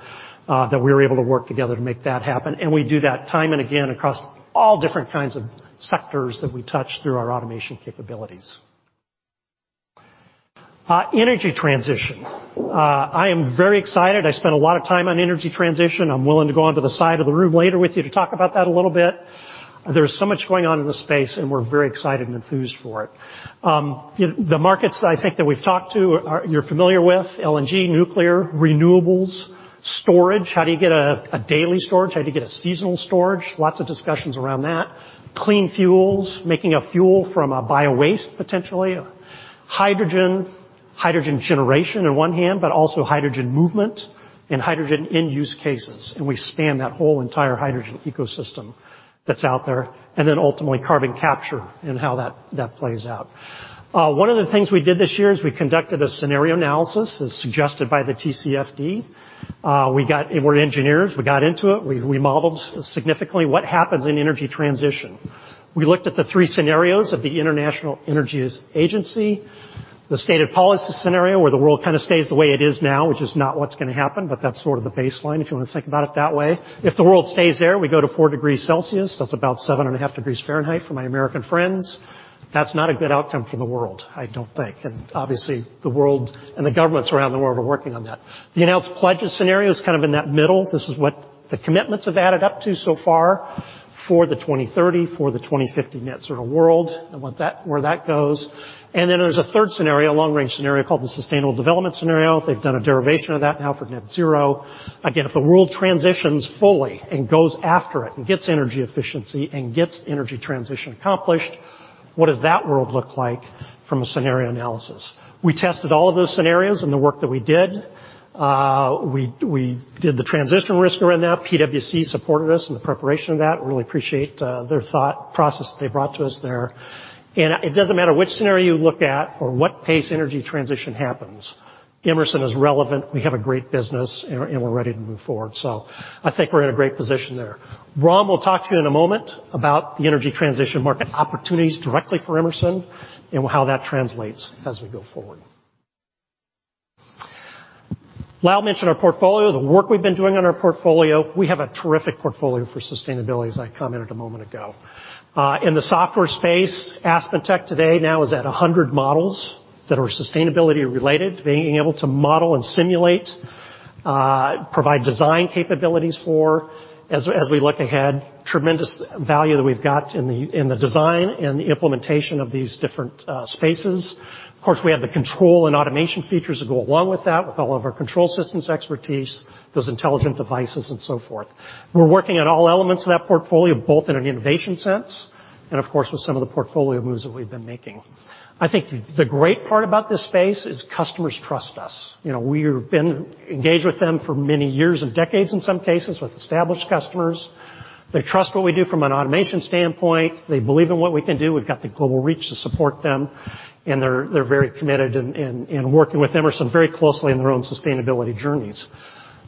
that we were able to work together to make that happen. We do that time and again across all different kinds of sectors that we touch through our automation capabilities. Energy transition. I am very excited. I spent a lot of time on energy transition. I'm willing to go onto the side of the room later with you to talk about that a little bit. There is so much going on in this space, and we're very excited and enthused for it. You know, the markets I think that we've talked to you're familiar with, LNG, nuclear, renewables, storage. How do you get a daily storage? How do you get a seasonal storage? Lots of discussions around that. Clean fuels, making a fuel from a biowaste, potentially. Hydrogen. Hydrogen generation on one hand, but also hydrogen movement and hydrogen end use cases. We span that whole entire hydrogen ecosystem that's out there. Ultimately carbon capture and how that plays out. One of the things we did this year is we conducted a scenario analysis as suggested by the TCFD. We're engineers. We got into it. We modeled significantly what happens in energy transition. We looked at the three scenarios of the International Energy Agency, the Stated Policies Scenario, where the world kind of stays the way it is now, which is not what's gonna happen, but that's sort of the baseline, if you wanna think about it that way. If the world stays there, we go to 4 degrees Celsius. That's about 7.5 degrees Fahrenheit for my American friends. That's not a good outcome for the world, I don't think. Obviously, the world and the governments around the world are working on that. The Announced Pledges Scenario is kind of in that middle. This is what the commitments have added up to so far for the 2030, for the 2050 net zero world, where that goes. There's a third scenario, a long-range scenario, called the Sustainable Development Scenario. They've done a derivation of that now for net zero. Again, if the world transitions fully and goes after it and gets energy efficiency and gets energy transition accomplished. What does that world look like from a scenario analysis? We tested all of those scenarios in the work that we did. We did the transition risk around that. PwC supported us in the preparation of that. Really appreciate their thought process they brought to us there. It doesn't matter which scenario you look at or what pace energy transition happens, Emerson is relevant. We have a great business and we're ready to move forward. I think we're in a great position there. Ram will talk to you in a moment about the energy transition market opportunities directly for Emerson and how that translates as we go forward. Lal mentioned our portfolio, the work we've been doing on our portfolio. We have a terrific portfolio for sustainability, as I commented a moment ago. In the software space, AspenTech today now is at 100 models that are sustainability-related, being able to model and simulate, provide design capabilities for, as we look ahead, tremendous value that we've got in the design and the implementation of these different spaces. Of course, we have the control and automation features that go along with that, with all of our control systems expertise, those intelligent devices and so forth. We're working on all elements of that portfolio, both in an innovation sense and, of course, with some of the portfolio moves that we've been making. I think the great part about this space is customers trust us. You know, we have been engaged with them for many years and decades in some cases with established customers. They trust what we do from an automation standpoint. They believe in what we can do. We've got the global reach to support them, and they're very committed in working with Emerson very closely in their own sustainability journeys.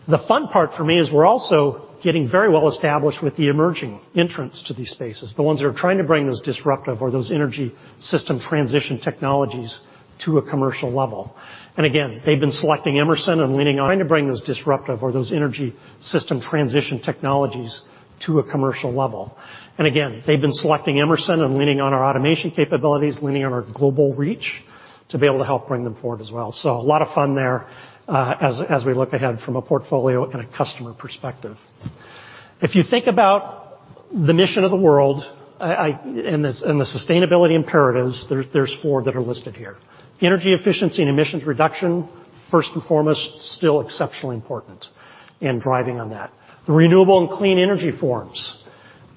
The fun part for me is we're also getting very well established with the emerging entrants to these spaces, the ones that are trying to bring those disruptive or those energy system transition technologies to a commercial level. Again, they've been selecting Emerson and leaning on trying to bring those disruptive or those energy system transition technologies to a commercial level. Again, they've been selecting Emerson and leaning on our automation capabilities, leaning on our global reach to be able to help bring them forward as well. A lot of fun there, as we look ahead from a portfolio and a customer perspective. If you think about the mission of the world, and the sustainability imperatives, there's 4 that are listed here. Energy efficiency and emissions reduction, first and foremost, still exceptionally important and driving on that. The renewable and clean energy forms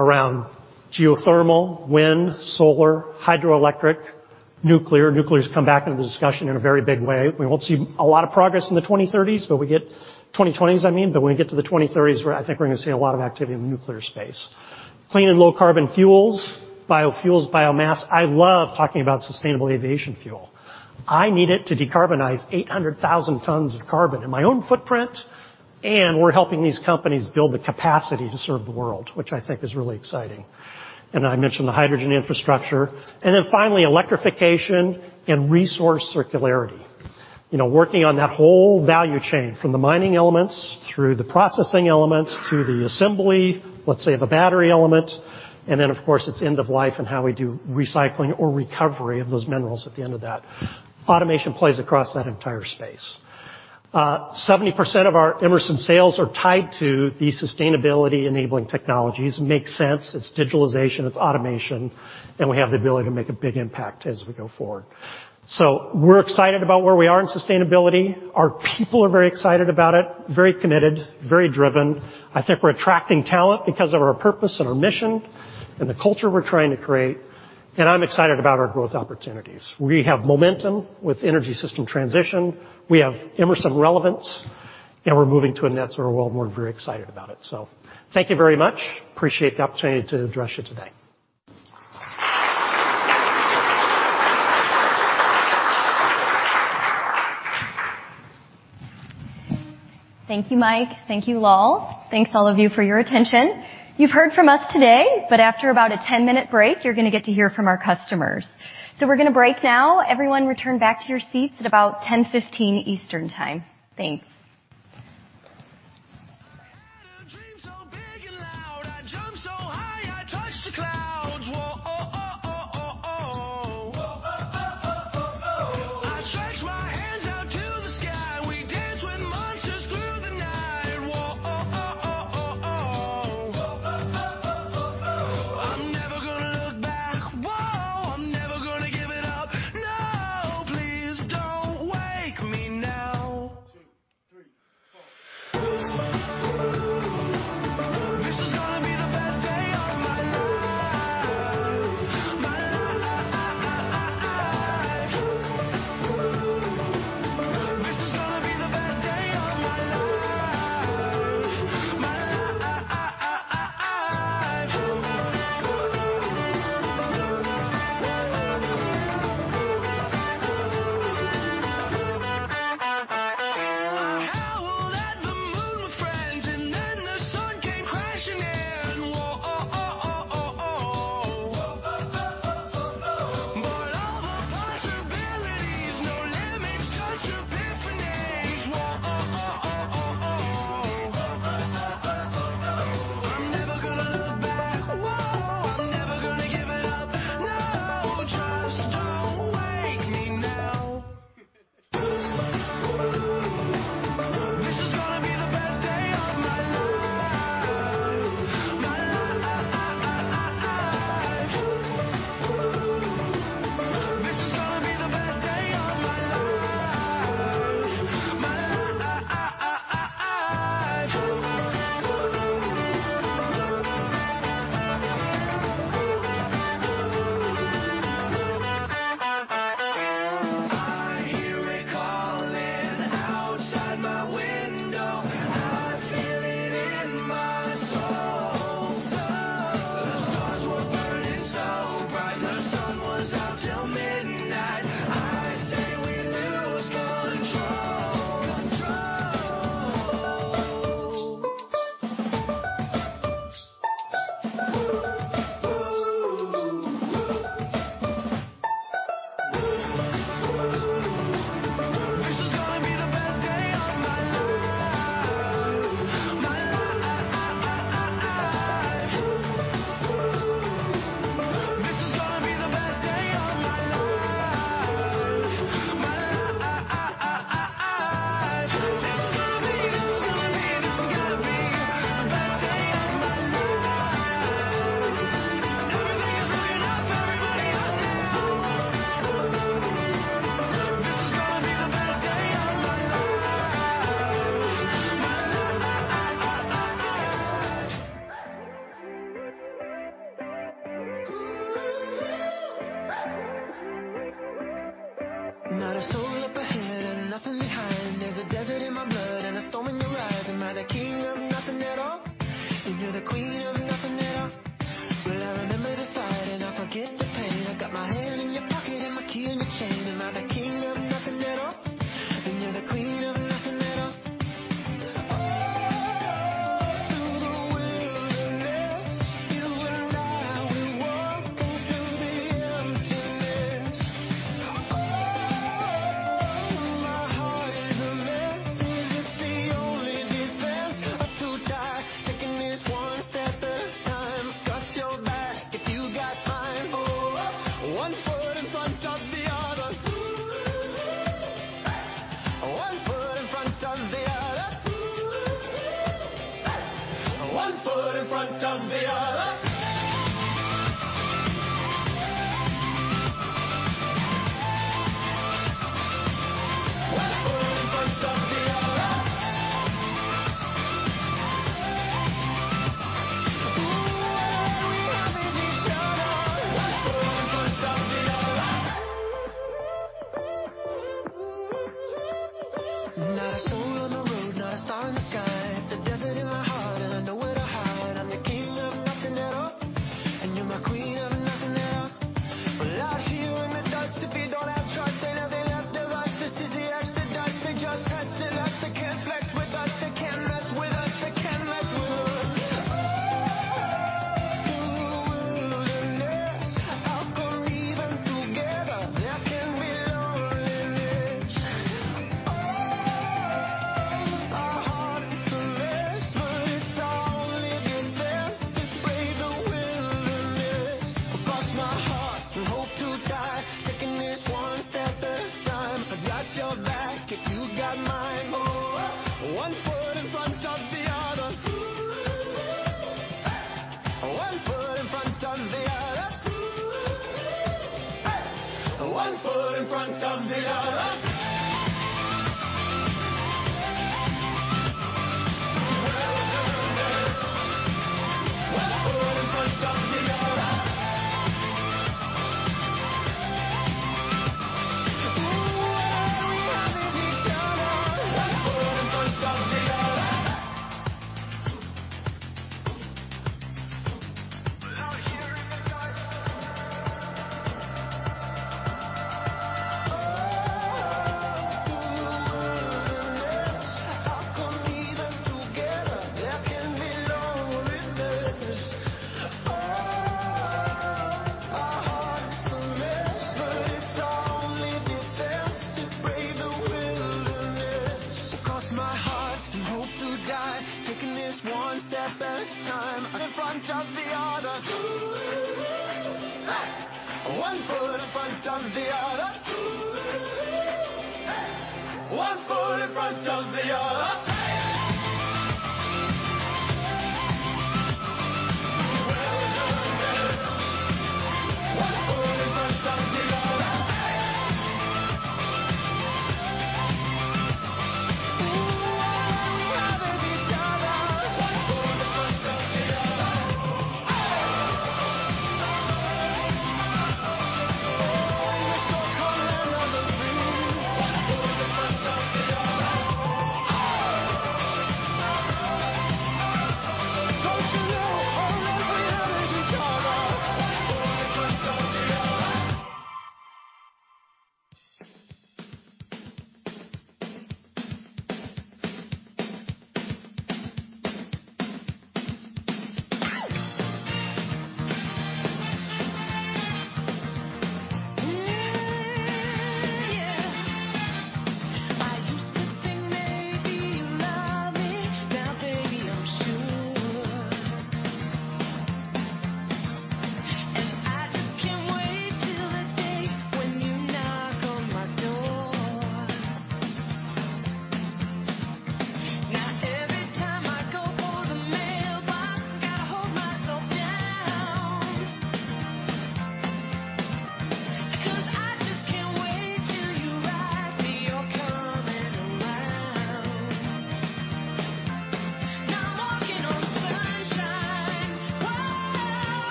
around geothermal, wind, solar, hydroelectric, nuclear. Nuclear's come back into discussion in a very big way. We won't see a lot of progress in the 2020s, I mean, but when we get to the 2030s, where I think we're going to see a lot of activity in the nuclear space. Clean and low carbon fuels, biofuels, biomass. I love talking about sustainable aviation fuel. I need it to decarbonize 800,000 tons of carbon in my own footprint, and we're helping these companies build the capacity to serve the world, which I think is really exciting. I mentioned the hydrogen infrastructure. Finally, electrification and resource circularity. You know, working on that whole value chain from the mining elements through the processing elements to the assembly, let's say the battery element. Of course, it's end of life and how we do recycling or recovery of those minerals at the end of that. Automation plays across that entire space. 70% of our Emerson sales are tied to the sustainability-enabling technologies. Makes sense. It's digitalization, it's automation, and we have the ability to make a big impact as we go forward. We're excited about where we are in sustainability. Our people are very excited about it, very committed, very driven. I think we're attracting talent because of our purpose and our mission and the culture we're trying to create. I'm excited about our growth opportunities. We have momentum with energy system transition. We have Emerson relevance, and we're moving to a net zero world, and we're very excited about it. Thank you very much. Appreciate the opportunity to address you today. Thank you, Mike. Thank you, Lal. Thanks all of you for your attention. You've heard from us today, but after about a 10-minute break, you're gonna get to hear from our customers. We're gonna break now. Everyone return back to your seats at about 10:15 A.M. Eastern Time. Thanks.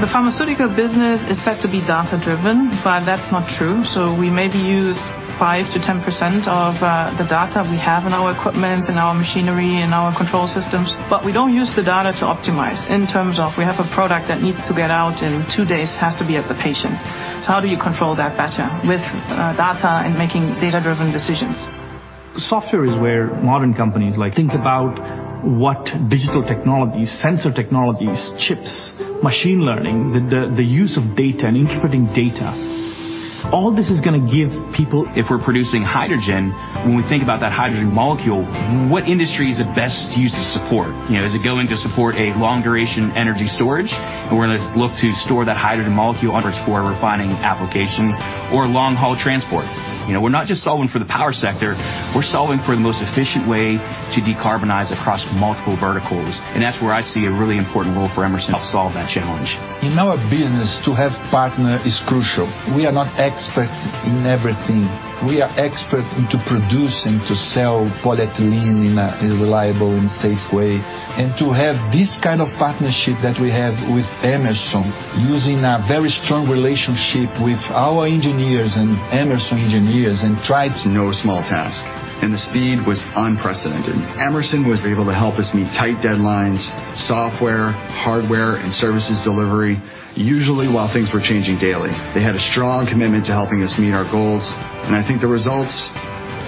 The pharmaceutical business is said to be data-driven, but that's not true. We maybe use 5% to 10% of the data we have in our equipment, in our machinery, in our control systems. We don't use the data to optimize in terms of we have a product that needs to get out in 2 days, it has to be at the patient. How do you control that better with data and making data-driven decisions? Software is where modern companies like think about what digital technologies, sensor technologies, chips, machine learning, the use of data and interpreting data. All this is going to give people If we're producing hydrogen, when we think about that hydrogen molecule, what industry is it best used to support? You know, is it going to support a long duration energy storage? Are we gonna look to store that hydrogen molecule under its for refining application or long haul transport? You know, we're not just solving for the power sector, we're solving for the most efficient way to decarbonize across multiple verticals, that's where I see a really important role for Emerson to help solve that challenge. In our business, to have partner is crucial. We are not expert in everything. We are expert into producing, to sell polyethylene in reliable and safe way. To have this kind of partnership that we have with Emerson, using a very strong relationship with our engineers and Emerson engineers. It's no small task, and the speed was unprecedented. Emerson was able to help us meet tight deadlines, software, hardware, and services delivery, usually while things were changing daily. They had a strong commitment to helping us meet our goals. I think the results,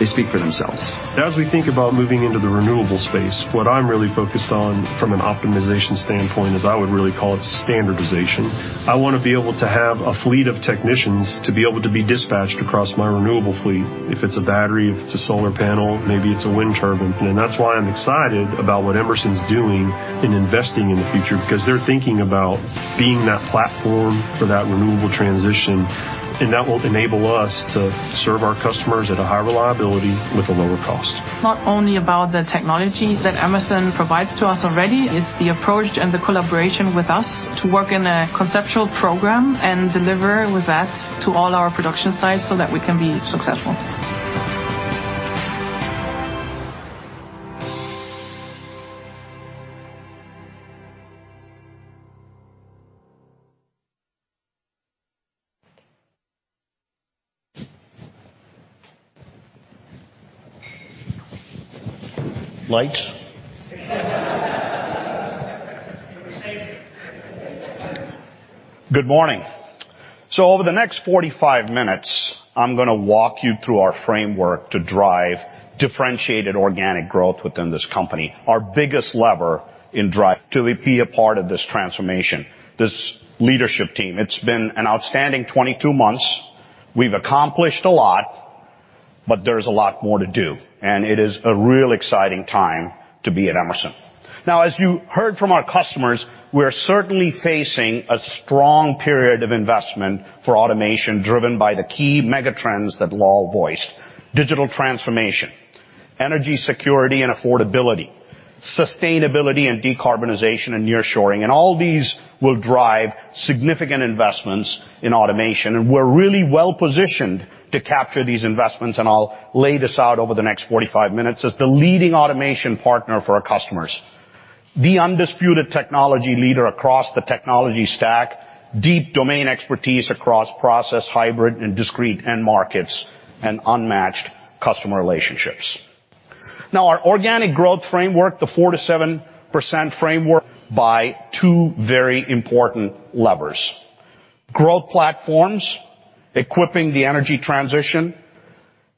they speak for themselves. As we think about moving into the renewable space, what I'm really focused on from an optimization standpoint is I would really call it standardization. I want to be able to have a fleet of technicians to be able to be dispatched across my renewable fleet. If it's a battery, if it's a solar panel, maybe it's a wind turbine. That's why I'm excited about what Emerson's doing in investing in the future, because they're thinking about being that platform for that renewable transition, and that will enable us to serve our customers at a high reliability with a lower cost. It's not only about the technology that Emerson provides to us already, it's the approach and the collaboration with us to work in a conceptual program and deliver with that to all our production sites so that we can be successful. Lights. Good morning. Over the next 45 minutes, I'm going to walk you through our framework to drive differentiated organic growth within this company. Our biggest lever in drive to be a part of this transformation, this leadership team. It's been an outstanding 22 months. We've accomplished a lot, but there's a lot more to do, and it is a real exciting time to be at Emerson. As you heard from our customers, we're certainly facing a strong period of investment for automation driven by the key mega trends that Lal voiced. Digital transformation, energy security and affordability, sustainability and decarbonization and nearshoring. All these will drive significant investments in automation. We're really well-positioned to capture these investments. I'll lay this out over the next 45 minutes. As the leading automation partner for our customers, the undisputed technology leader across the technology stack, deep domain expertise across process, hybrid, and discrete end markets, and unmatched customer relationships. Our organic growth framework, the 4%-7% framework by two very important levers. Growth platforms, equipping the energy transition,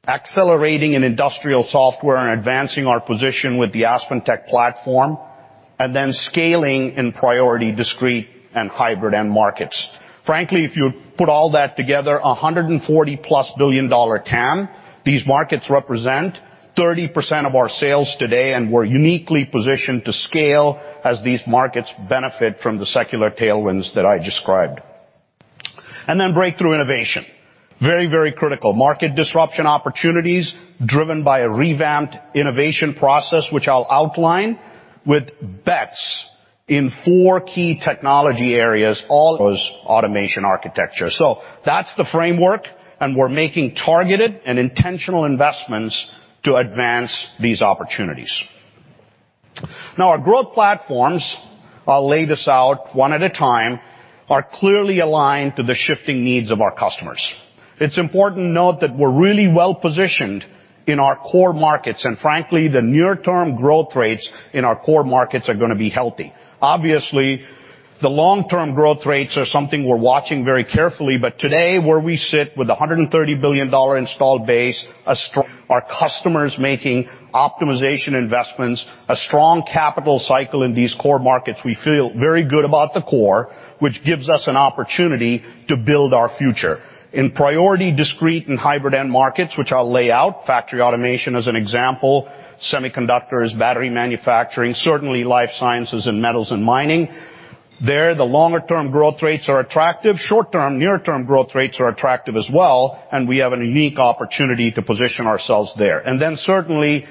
accelerating in industrial software, and advancing our position with the AspenTech platform, and then scaling in priority discrete and hybrid end markets. Frankly, if you put all that together, a $140+ billion TAM, these markets represent 30% of our sales today, and we're uniquely positioned to scale as these markets benefit from the secular tailwinds that I described. Breakthrough innovation, very, very critical. Market disruption opportunities driven by a revamped innovation process, which I'll outline with bets in 4 key technology areas, all those automation architecture. That's the framework, and we're making targeted and intentional investments to advance these opportunities. Our growth platforms, I'll lay this out one at a time, are clearly aligned to the shifting needs of our customers. It's important to note that we're really well-positioned in our core markets, and frankly, the near-term growth rates in our core markets are going to be healthy. Obviously, the long-term growth rates are something we're watching very carefully. Today, where we sit with a $130 billion installed base, our customers making optimization investments, a strong capital cycle in these core markets. We feel very good about the core, which gives us an opportunity to build our future. In priority, discrete, and hybrid end markets, which I'll lay out, factory automation as an example, semiconductors, battery manufacturing, certainly life sciences and metals and mining. There, the longer term growth rates are attractive. Short term, near-term growth rates are attractive as well, and we have a unique opportunity to position ourselves there. Certainly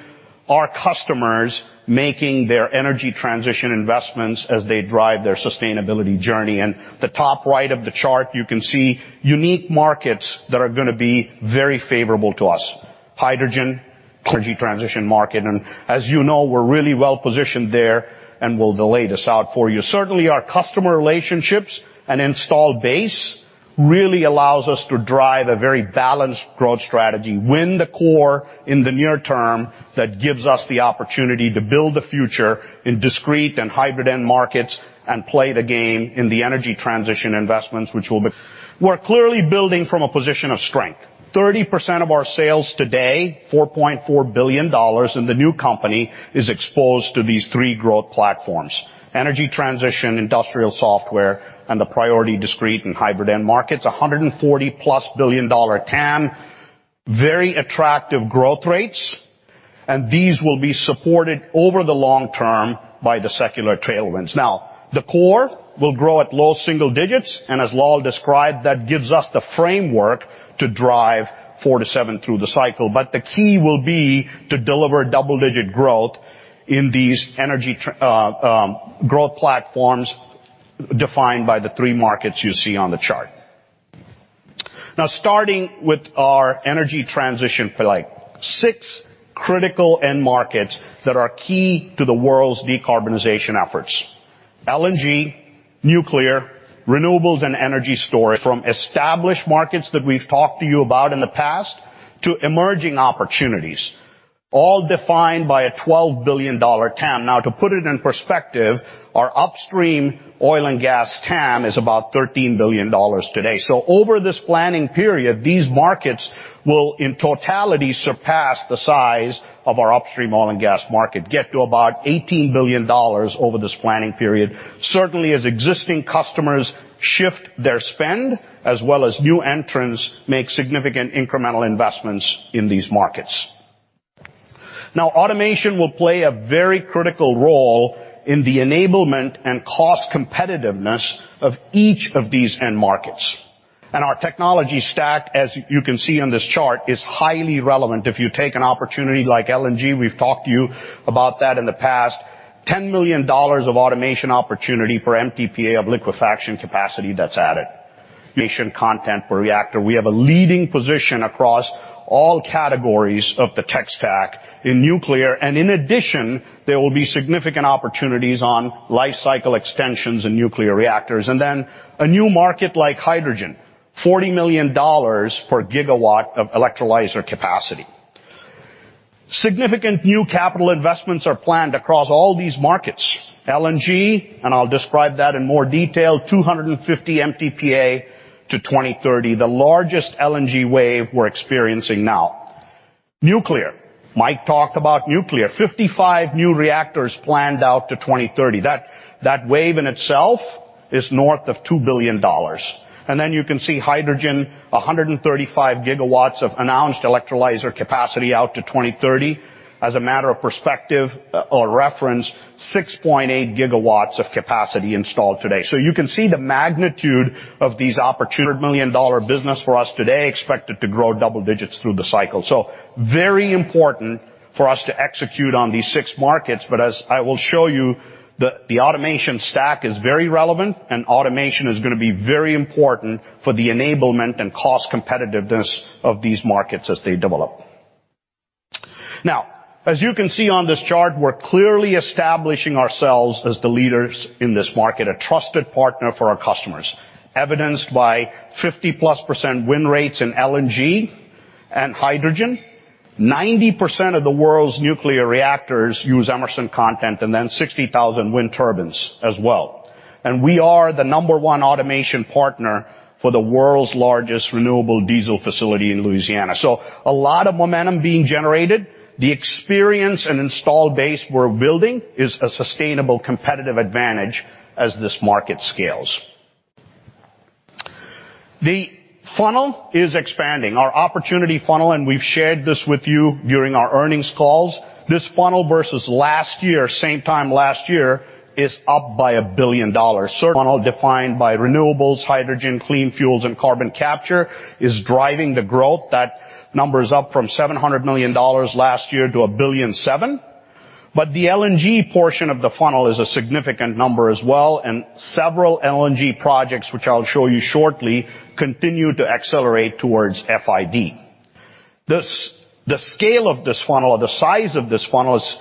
our customers making their energy transition investments as they drive their sustainability journey. The top right of the chart, you can see unique markets that are going to be very favorable to us. Hydrogen, energy transition market. As you know, we're really well-positioned there, and we'll lay this out for you. Certainly, our customer relationships and installed base really allows us to drive a very balanced growth strategy. Win the core in the near term that gives us the opportunity to build the future in discrete and hybrid end markets and play the game in the energy transition investments which will be. We're clearly building from a position of strength. 30% of our sales today, $4.4 billion in the new company, is exposed to these 3 growth platforms, energy transition, industrial software, and the priority discrete and hybrid end markets. A $140+ billion TAM, very attractive growth rates, and these will be supported over the long term by the secular tailwinds. The core will grow at low single digits, and as Lal described, that gives us the framework to drive 4%-7% through the cycle. The key will be to deliver double-digit growth in these energy growth platforms defined by the 3 markets you see on the chart. Starting with our energy transition plate. 6 critical end markets that are key to the world's decarbonization efforts. LNG, nuclear, renewables, and energy storage from established markets that we've talked to you about in the past to emerging opportunities, all defined by a $12 billion TAM. Now, to put it in perspective, our upstream oil and gas TAM is about $13 billion today. Over this planning period, these markets will, in totality, surpass the size of our upstream oil and gas market, get to about $18 billion over this planning period. Certainly, as existing customers shift their spend, as well as new entrants make significant incremental investments in these markets. Now, automation will play a very critical role in the enablement and cost competitiveness of each of these end markets. Our technology stack, as you can see on this chart, is highly relevant. If you take an opportunity like LNG, we've talked to you about that in the past, $10 million of automation opportunity per MTPA of liquefaction capacity that's added. Nation content per reactor. We have a leading position across all categories of the tech stack in nuclear. In addition, there will be significant opportunities on life cycle extensions in nuclear reactors. Then a new market like hydrogen, $40 million per gigawatt of electrolyzer capacity. Significant new capital investments are planned across all these markets. LNG. I'll describe that in more detail, 250 MTPA to 2030, the largest LNG wave we're experiencing now. Nuclear. Mike talked about nuclear. 55 new reactors planned out to 2030. That wave in itself is north of $2 billion. Then you can see hydrogen, 135 gigawatts of announced electrolyzer capacity out to 2030. As a matter of perspective or reference, 6.8 gigawatts of capacity installed today. You can see the magnitude of these million-dollar business for us today expected to grow double digits through the cycle. Very important for us to execute on these six markets, but as I will show you, the automation stack is very relevant, and automation is gonna be very important for the enablement and cost competitiveness of these markets as they develop. Now, as you can see on this chart, we're clearly establishing ourselves as the leaders in this market, a trusted partner for our customers, evidenced by 50+% win rates in LNG and hydrogen. 90% of the world's nuclear reactors use Emerson content, 60,000 wind turbines as well. We are the number one automation partner for the world's largest renewable diesel facility in Louisiana. A lot of momentum being generated. The experience and installed base we're building is a sustainable competitive advantage as this market scales. The funnel is expanding. Our opportunity funnel, and we've shared this with you during our earnings calls, this funnel versus last year, same time last year, is up by $1 billion. Funnel defined by renewables, hydrogen, clean fuels, and carbon capture is driving the growth. That number is up from $700 million last year to $1.7 billion. The LNG portion of the funnel is a significant number as well, and several LNG projects, which I'll show you shortly, continue to accelerate towards FID. The scale of this funnel or the size of this funnel is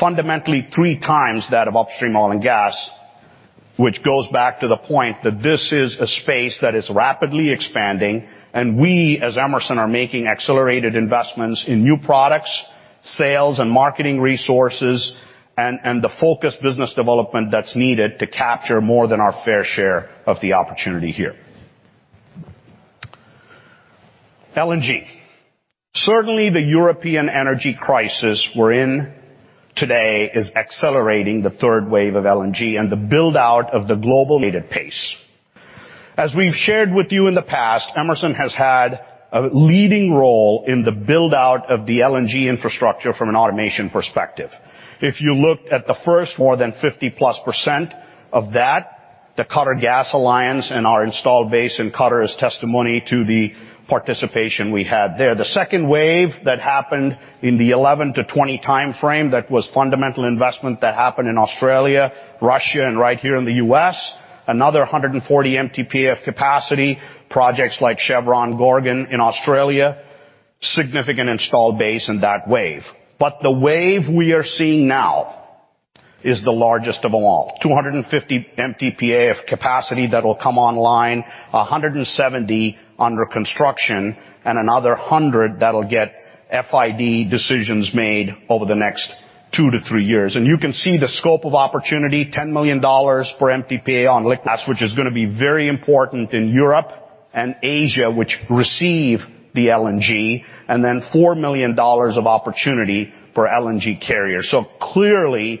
fundamentally 3 times that of upstream oil and gas, which goes back to the point that this is a space that is rapidly expanding, and we, as Emerson, are making accelerated investments in new products, sales and marketing resources, and the focused business development that's needed to capture more than our fair share of the opportunity here. LNG. Certainly, the European energy crisis we're in today is accelerating the third wave of LNG and the build-out of the global-needed pace. As we've shared with you in the past, Emerson has had a leading role in the build-out of the LNG infrastructure from an automation perspective. If you look at the first, more than 50-plus% of that, the Qatargas Alliance and our installed base in Qatar is testimony to the participation we had there. The second wave that happened in the 11-20 timeframe, that was fundamental investment that happened in Australia, Russia, and right here in the U.S., another 140 MTPA of capacity, projects like Chevron Gorgon in Australia, significant installed base in that wave. But the wave we are seeing now is the largest of them all. 250 MTPA of capacity that will come online, 170 under construction, and another 100 that'll get FID decisions made over the next 2-3 years. You can see the scope of opportunity, $10 million for MTPA on liquid gas, which is going to be very important in Europe and Asia, which receive the LNG, then $4 million of opportunity for LNG carrier. Clearly,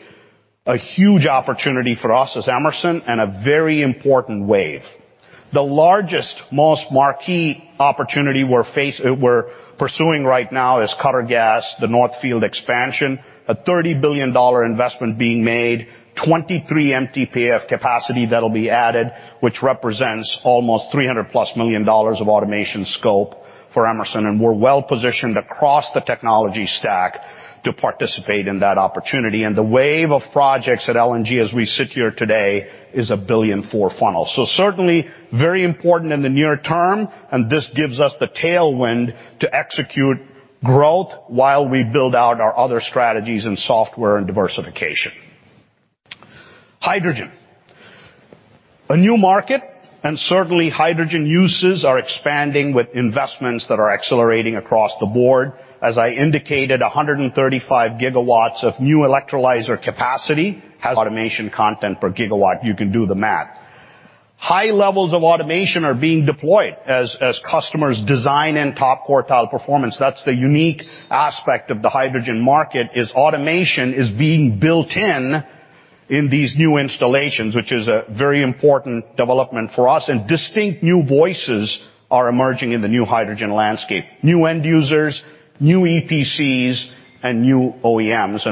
a huge opportunity for us as Emerson and a very important wave. The largest, most marquee opportunity we're pursuing right now is Qatargas, the North Field expansion, a $30 billion investment being made, 23 MTPA of capacity that'll be added, which represents almost $300+ million of automation scope for Emerson. We're well-positioned across the technology stack to participate in that opportunity. The wave of projects at LNG as we sit here today is a $1 billion funnel. Certainly very important in the near term, and this gives us the tailwind to execute growth while we build out our other strategies in software and diversification. Hydrogen. A new market, and certainly hydrogen uses are expanding with investments that are accelerating across the board. As I indicated, 135 gigawatts of new electrolyzer capacity has automation content per gigawatt. You can do the math. High levels of automation are being deployed as customers design in top quartile performance. That's the unique aspect of the hydrogen market, is automation is being built in in these new installations, which is a very important development for us. Distinct new voices are emerging in the new hydrogen landscape, new end users, new EPCs and new OEMs.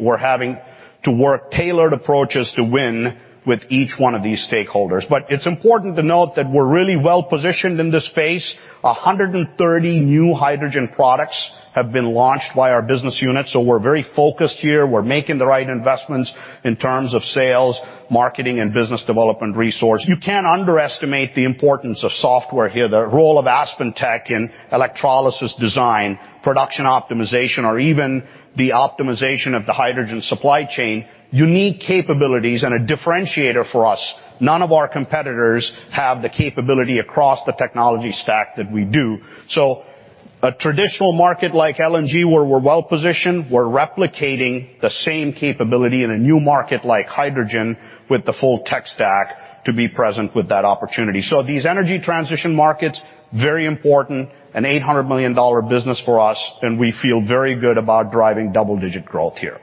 We're having to work tailored approaches to win with each one of these stakeholders. It's important to note that we're really well positioned in this space. 130 new hydrogen products have been launched by our business unit. We're very focused here. We're making the right investments in terms of sales, marketing and business development resource. You can't underestimate the importance of software here. The role of AspenTech in electrolysis design, production optimization, or even the optimization of the hydrogen supply chain, unique capabilities and a differentiator for us. None of our competitors have the capability across the technology stack that we do. A traditional market like LNG, where we're well positioned, we're replicating the same capability in a new market like hydrogen with the full tech stack to be present with that opportunity. These energy transition markets, very important. An $800 million business for us. We feel very good about driving double-digit growth here.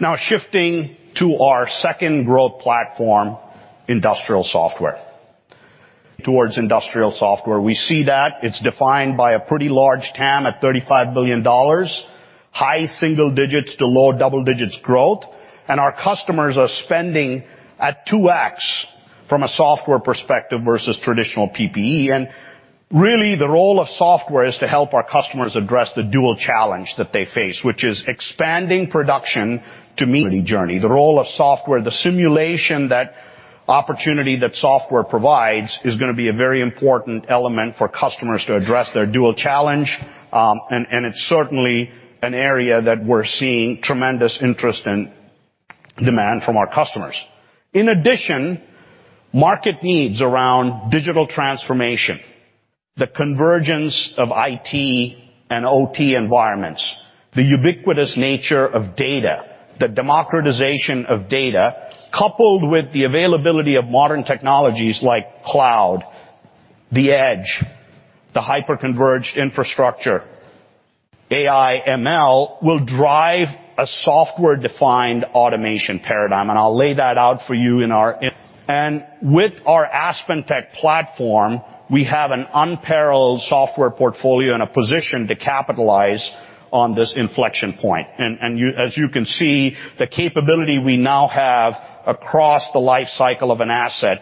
Now, shifting to our second growth platform, industrial software. Towards industrial software, we see that it's defined by a pretty large TAM at $35 billion, high single digits to low double digits growth. Our customers are spending at 2x from a software perspective versus traditional PPE. Really, the role of software is to help our customers address the dual challenge that they face, which is expanding production to meet-- journey. The role of software, the simulation, that opportunity that software provides, is going to be a very important element for customers to address their dual challenge. It's certainly an area that we're seeing tremendous interest and demand from our customers. In addition, market needs around digital transformation, the convergence of IT and OT environments, the ubiquitous nature of data, the democratization of data, coupled with the availability of modern technologies like cloud, the edge, the hyper-converged infrastructure, AI, ML, will drive a software-defined automation paradigm. I'll lay that out for you. With our AspenTech platform, we have an unparalleled software portfolio and a position to capitalize on this inflection point. As you can see, the capability we now have across the life cycle of an asset,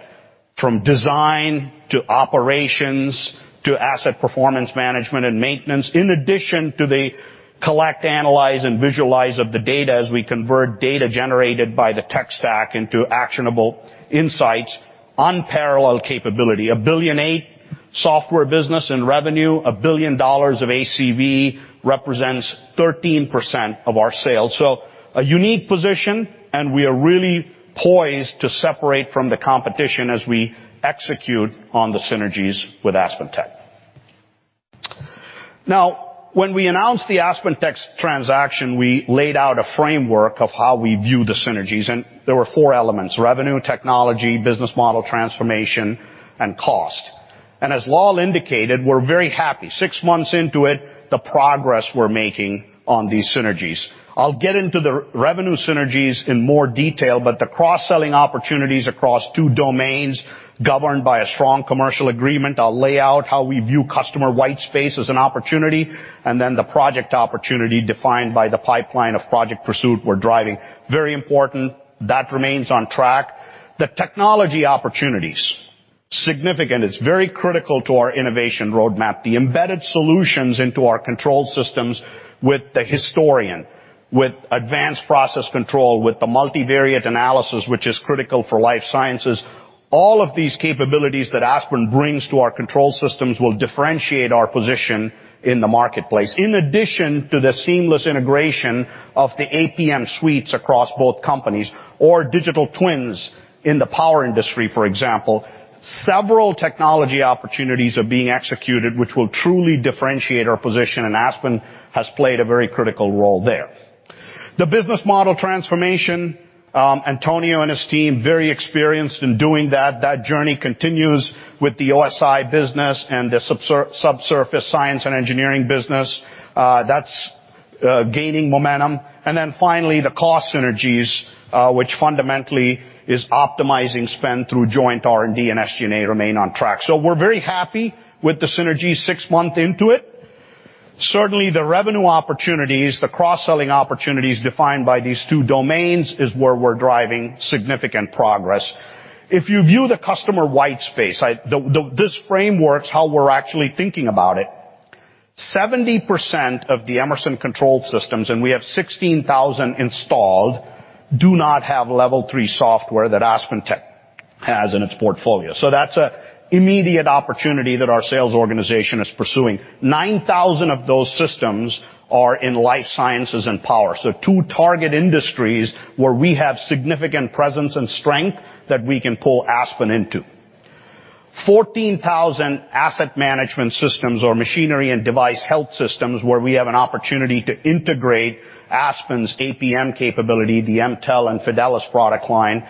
from design to operations to asset performance management and maintenance, in addition to the collect, analyze, and visualize of the data as we convert data generated by the tech stack into actionable insights, unparalleled capability. A $1.8 billion software business in revenue, $1 billion of ACV represents 13% of our sales. A unique position, and we are really poised to separate from the competition as we execute on the synergies with AspenTech. When we announced the AspenTech transaction, we laid out a framework of how we view the synergies, and there were four elements: revenue, technology, business model transformation, and cost. As Lal indicated, we're very happy. Six months into it, the progress we're making on these synergies. I'll get into the revenue synergies in more detail, but the cross-selling opportunities across two domains governed by a strong commercial agreement. I'll lay out how we view customer white space as an opportunity, and then the project opportunity defined by the pipeline of project pursuit we're driving. Very important. That remains on track. The technology opportunities, significant. It's very critical to our innovation roadmap. The embedded solutions into our control systems with the historian, with advanced process control, with the multivariate analysis, which is critical for life sciences. All of these capabilities that Aspen brings to our control systems will differentiate our position in the marketplace. In addition to the seamless integration of the APM suites across both companies or digital twins in the power industry, for example, several technology opportunities are being executed which will truly differentiate our position, and Aspen has played a very critical role there. The business model transformation, Antonio and his team, very experienced in doing that. That journey continues with the OSI business and the subsurface science and engineering business. That's gaining momentum. Finally, the cost synergies, which fundamentally is optimizing spend through joint R&D and SG&A remain on track. We're very happy with the synergy 6 months into it. Certainly, the revenue opportunities, the cross-selling opportunities defined by these two domains is where we're driving significant progress. If you view the customer white space, this framework's how we're actually thinking about it. 70% of the Emerson control systems, and we have 16,000 installed, do not have level three software that AspenTech has in its portfolio. That's a immediate opportunity that our sales organization is pursuing. 9,000 of those systems are in life sciences and power. Two target industries where we have significant presence and strength that we can pull Aspen into. 14,000 asset management systems or machinery and device health systems where we have an opportunity to integrate Aspen's APM capability, the Aspen Mtell and Aspen Fidelis product line,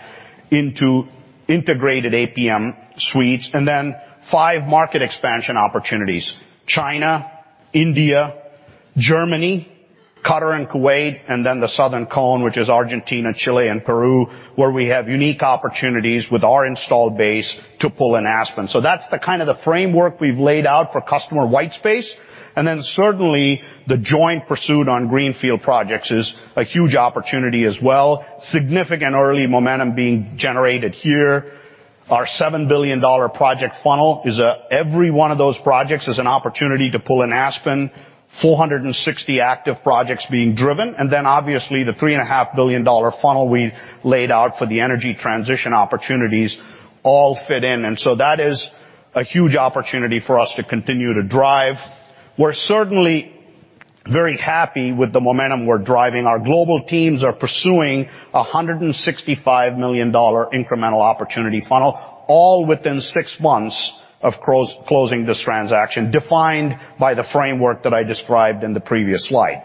into integrated APM suites. Five market expansion opportunities, China, India, Germany, Qatar, and Kuwait, and then the Southern Cone, which is Argentina, Chile, and Peru, where we have unique opportunities with our installed base to pull in Aspen. That's the kind of the framework we've laid out for customer white space. Certainly, the joint pursuit on greenfield projects is a huge opportunity as well. Significant early momentum being generated here. Our $7 billion project funnel is every one of those projects is an opportunity to pull in Aspen, 460 active projects being driven. Obviously, the $3.5 billion funnel we laid out for the energy transition opportunities all fit in. That is a huge opportunity for us to continue to drive. We're certainly very happy with the momentum we're driving. Our global teams are pursuing a $165 million incremental opportunity funnel, all within 6 months of closing this transaction, defined by the framework that I described in the previous slide.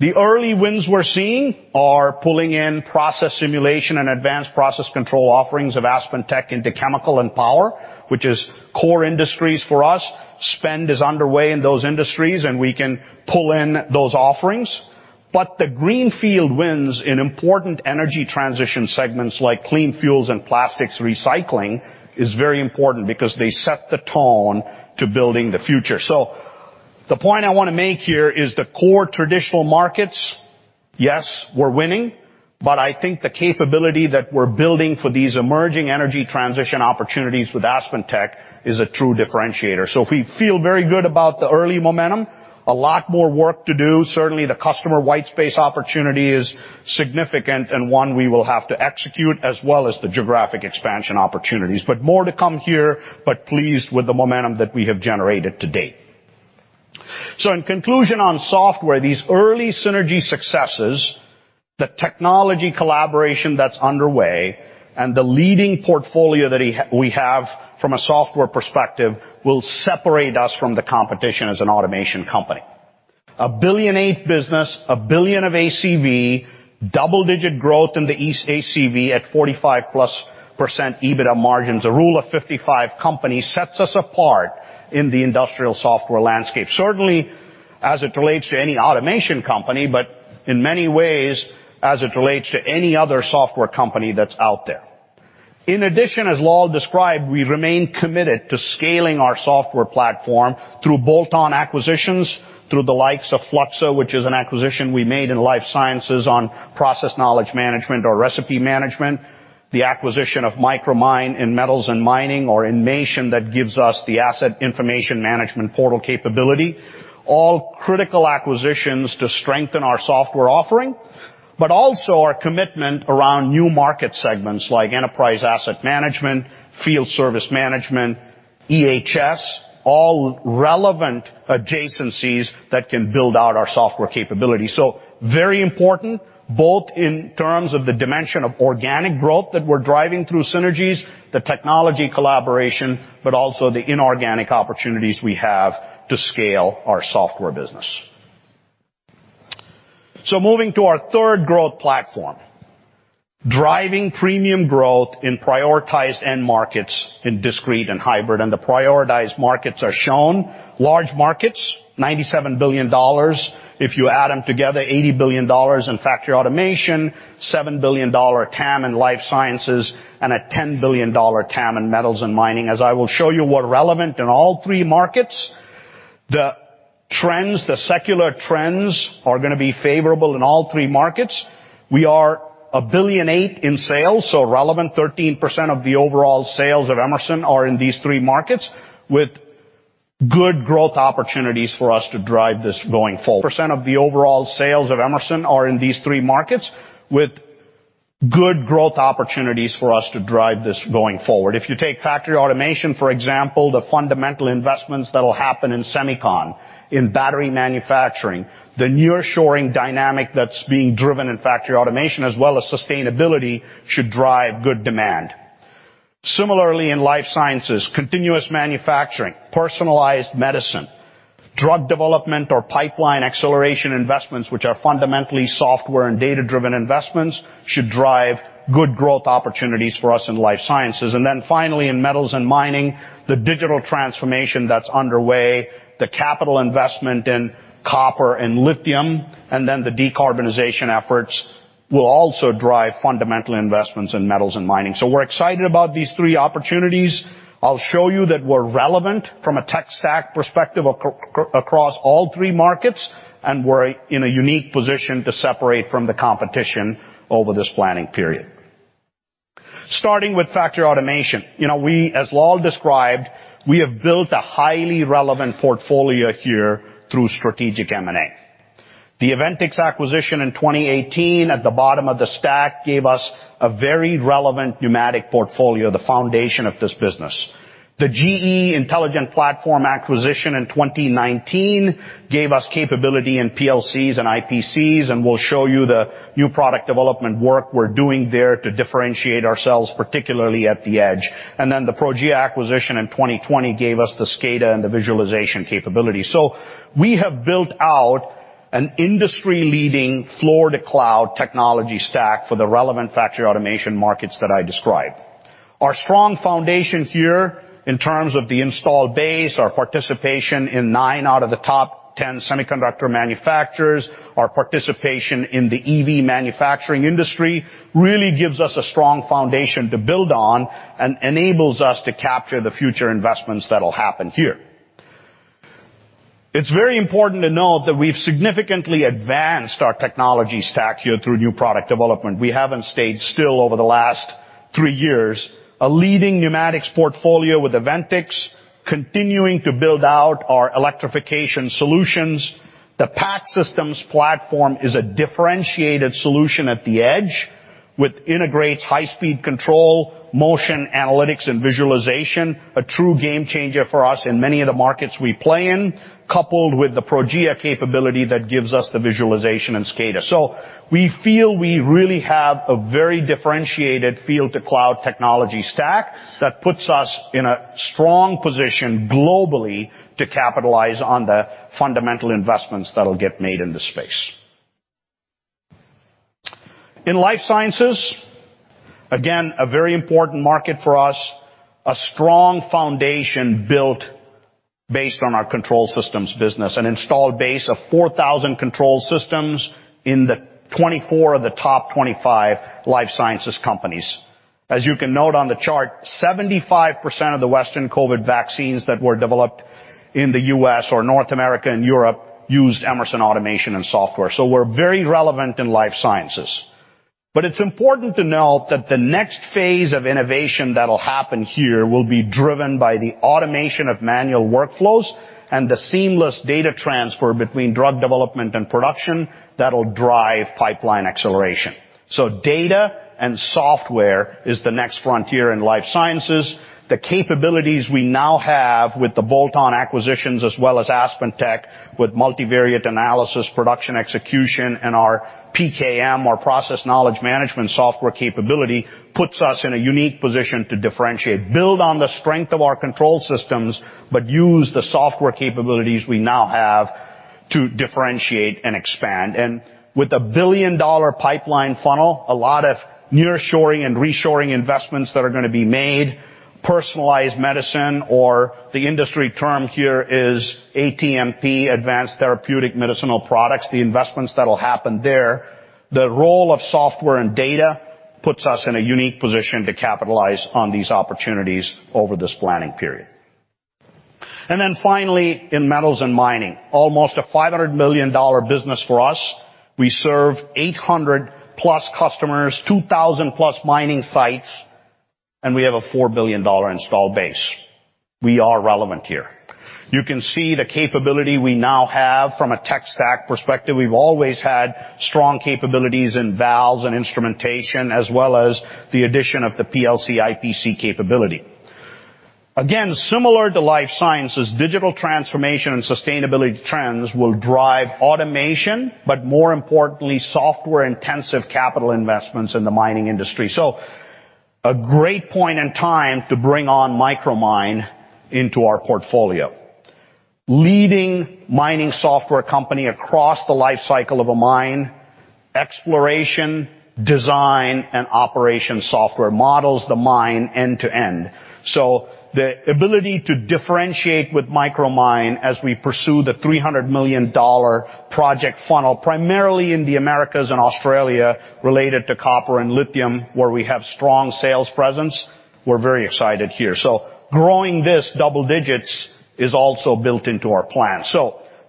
The early wins we're seeing are pulling in process simulation and advanced process control offerings of AspenTech into chemical and power, which is core industries for us. Spend is underway in those industries, and we can pull in those offerings. The greenfield wins in important energy transition segments like clean fuels and plastics recycling is very important because they set the tone to building the future. The point I wanna make here is the core traditional markets, yes, we're winning, but I think the capability that we're building for these emerging energy transition opportunities with AspenTech is a true differentiator. We feel very good about the early momentum. A lot more work to do. Certainly, the customer white space opportunity is significant and one we will have to execute as well as the geographic expansion opportunities. More to come here, but pleased with the momentum that we have generated to date. In conclusion on software, these early synergy successes, the technology collaboration that's underway, and the leading portfolio that we have from a software perspective will separate us from the competition as an automation company. A $1.8 billion business, a $1 billion of ACV, double-digit growth in the East ACV at 45+% EBITDA margins. A rule of 55 company sets us apart in the industrial software landscape. Certainly, as it relates to any automation company, but in many ways, as it relates to any other software company that's out there. In addition, as Lal described, we remain committed to scaling our software platform through bolt-on acquisitions, through the likes of Fluxa, which is an acquisition we made in life sciences on process knowledge management or recipe management, the acquisition of Micromine in metals and mining or inmation that gives us the asset information management portal capability, all critical acquisitions to strengthen our software offering. Also our commitment around new market segments like enterprise asset management, field service management, EHS, all relevant adjacencies that can build out our software capability. Very important, both in terms of the dimension of organic growth that we're driving through synergies, the technology collaboration, but also the inorganic opportunities we have to scale our software business. Moving to our third growth platform, driving premium growth in prioritized end markets in discrete and hybrid, and the prioritized markets are shown. Large markets, $97 billion. If you add them together, $80 billion in factory automation, $7 billion TAM in life sciences and a $10 billion TAM in metals and mining. As I will show you what relevant in all three markets, the trends, the secular trends are gonna be favorable in all three markets. We are $1.8 billion in sales, relevant 13% of the overall sales of Emerson are in these three markets with good growth opportunities for us to drive this going forward. If you take factory automation, for example, the fundamental investments that'll happen in semicon, in battery manufacturing, the nearshoring dynamic that's being driven in factory automation as well as sustainability should drive good demand. Similarly, in life sciences, continuous manufacturing, personalized medicine, drug development, or pipeline acceleration investments, which are fundamentally software and data-driven investments, should drive good growth opportunities for us in life sciences. Finally, in metals and mining, the digital transformation that's underway, the capital investment in copper and lithium, and then the decarbonization efforts will also drive fundamental investments in metals and mining. We're excited about these three opportunities. I'll show you that we're relevant from a tech stack perspective across all three markets, and we're in a unique position to separate from the competition over this planning period. Starting with factory automation. You know, we, as Lal described, we have built a highly relevant portfolio here through strategic M&A. The Aventics acquisition in 2018 at the bottom of the stack gave us a very relevant pneumatic portfolio, the foundation of this business. The GE Intelligent Platform acquisition in 2019 gave us capability in PLCs and IPCs, and we'll show you the new product development work we're doing there to differentiate ourselves, particularly at the edge. The Progea acquisition in 2020 gave us the SCADA and the visualization capability. We have built out an industry-leading floor-to-cloud technology stack for the relevant factory automation markets that I described. Our strong foundation here in terms of the installed base, our participation in 9 out of the top 10 semiconductor manufacturers, our participation in the EV manufacturing industry really gives us a strong foundation to build on and enables us to capture the future investments that'll happen here. It's very important to note that we've significantly advanced our technology stack here through new product development. We haven't stayed still over the last 3 years. A leading pneumatics portfolio with Aventics, continuing to build out our electrification solutions. The PACSystems platform is a differentiated solution at the edge, which integrates high-speed control, motion analytics, and visualization, a true game changer for us in many of the markets we play in, coupled with the Progea capability that gives us the visualization and SCADA. We feel we really have a very differentiated field-to-cloud technology stack that puts us in a strong position globally to capitalize on the fundamental investments that'll get made in this space. In life sciences, again, a very important market for us, a strong foundation built based on our control systems business. An installed base of 4,000 control systems in the 24 of the top 25 life sciences companies. As you can note on the chart, 75% of the Western COVID vaccines that were developed in the U.S. or North America and Europe used Emerson Automation and software. We're very relevant in life sciences. It's important to note that the next phase of innovation that'll happen here will be driven by the automation of manual workflows and the seamless data transfer between drug development and production that'll drive pipeline acceleration. Data and software is the next frontier in life sciences. The capabilities we now have with the bolt-on acquisitions, as well as AspenTech, with multivariate analysis, production execution, and our PKM or process knowledge management software capability puts us in a unique position to differentiate, build on the strength of our control systems, but use the software capabilities we now have to differentiate and expand. With a billion-dollar pipeline funnel, a lot of near-shoring and reshoring investments that are gonna be made, personalized medicine or the industry term here is ATMP, advanced therapeutic medicinal products, the investments that'll happen there, the role of software and data puts us in a unique position to capitalize on these opportunities over this planning period. Finally, in metals and mining. Almost a $500 million business for us. We serve 800+ customers, 2,000+ mining sites, and we have a $4 billion installed base. We are relevant here. You can see the capability we now have from a tech stack perspective. We've always had strong capabilities in valves and instrumentation, as well as the addition of the PLC IPC capability. Again, similar to life sciences, digital transformation and sustainability trends will drive automation, but more importantly, software-intensive capital investments in the mining industry. A great point in time to bring on Micromine into our portfolio. Leading mining software company across the life cycle of a mine, exploration, design, and operation software models the mine end to end. The ability to differentiate with Micromine as we pursue the $300 million project funnel, primarily in the Americas and Australia, related to copper and lithium, where we have strong sales presence, we're very excited here. Growing this double digits is also built into our plan.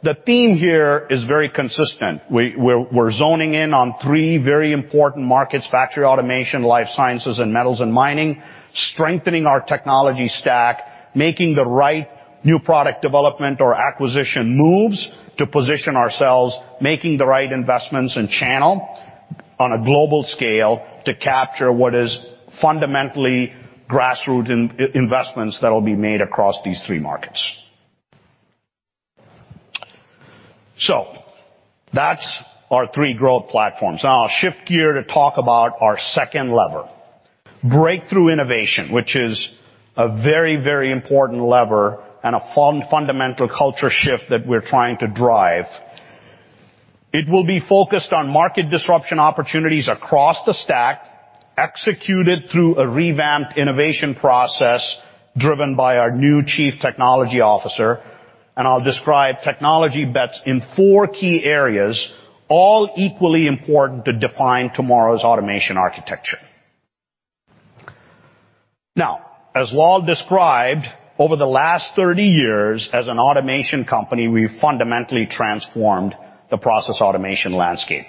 The theme here is very consistent. We're zoning in on 3 very important markets: factory automation, life sciences, and metals and mining, strengthening our technology stack, making the right new product development or acquisition moves to position ourselves, making the right investments and channel on a global scale to capture what is fundamentally grassroot investments that will be made across these 3 markets. That's our 3 growth platforms. I'll shift gear to talk about our second lever, breakthrough innovation, which is a very, very important lever and a fundamental culture shift that we're trying to drive. It will be focused on market disruption opportunities across the stack, executed through a revamped innovation process driven by our new Chief Technology Officer. I'll describe technology bets in 4 key areas, all equally important to define tomorrow's automation architecture. Now, as Lal described, over the last 30 years as an automation company, we've fundamentally transformed the process automation landscape.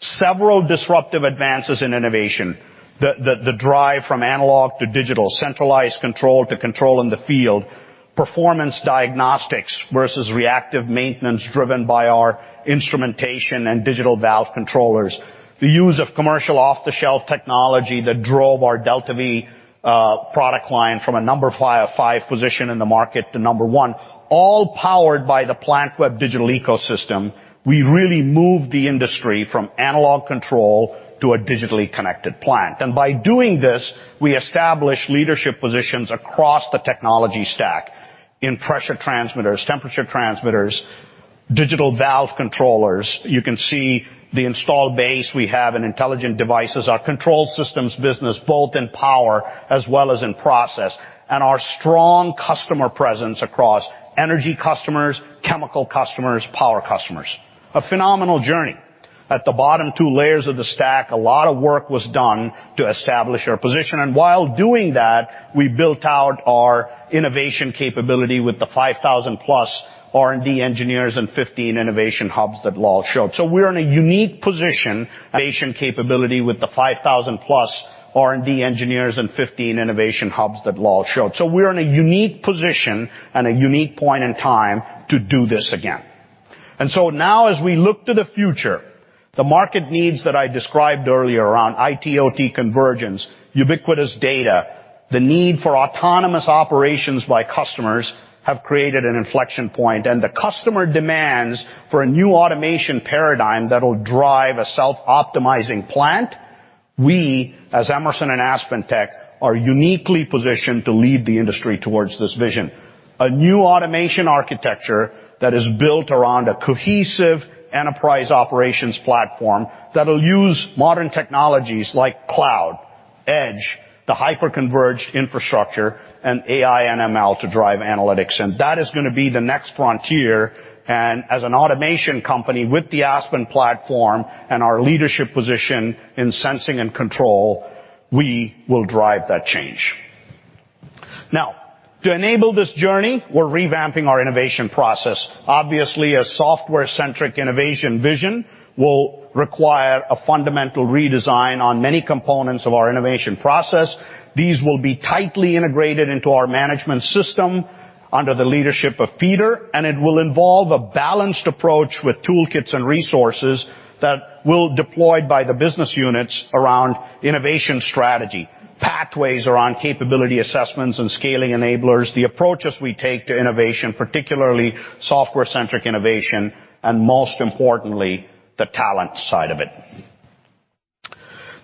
Several disruptive advances in innovation, the drive from analog to digital, centralized control to control in the field, performance diagnostics versus reactive maintenance driven by our instrumentation and Digital Valve Controllers, the use of commercial off-the-shelf technology that drove our DeltaV product line from a number 5 position in the market to number 1, all powered by the Plantweb digital ecosystem. We really moved the industry from analog control to a digitally connected plant. By doing this, we established leadership positions across the technology stack in pressure transmitters, temperature transmitters, Digital Valve Controllers. You can see the installed base we have in intelligent devices, our control systems business, both in power as well as in process, and our strong customer presence across energy customers, chemical customers, power customers. A phenomenal journey. At the bottom two layers of the stack, a lot of work was done to establish our position, and while doing that, we built out our innovation capability with the 5,000-plus R&D engineers and 15 innovation hubs that Lal showed. Innovation capability with the 5,000-plus R&D engineers and 15 innovation hubs that Lal showed. We're in a unique position and a unique point in time to do this again. Now as we look to the future, the market needs that I described earlier around IT/OT convergence, ubiquitous data, the need for autonomous operations by customers have created an inflection point, and the customer demands for a new automation paradigm that'll drive a self-optimizing plant, we, as Emerson and AspenTech, are uniquely positioned to lead the industry towards this vision. A new automation architecture that is built around a cohesive Enterprise Operations Platform that'll use modern technologies like cloud, edge, the hyper-converged infrastructure, and AI and ML to drive analytics. That is gonna be the next frontier. As an automation company with the Aspen platform and our leadership position in sensing and control, we will drive that change. Now, to enable this journey, we're revamping our innovation process. Obviously, a software-centric innovation vision will require a fundamental redesign on many components of our innovation process. These will be tightly integrated into our management system under the leadership of Peter, and it will involve a balanced approach with toolkits and resources that will deploy by the business units around innovation strategy, pathways around capability assessments and scaling enablers, the approaches we take to innovation, particularly software-centric innovation, and most importantly, the talent side of it.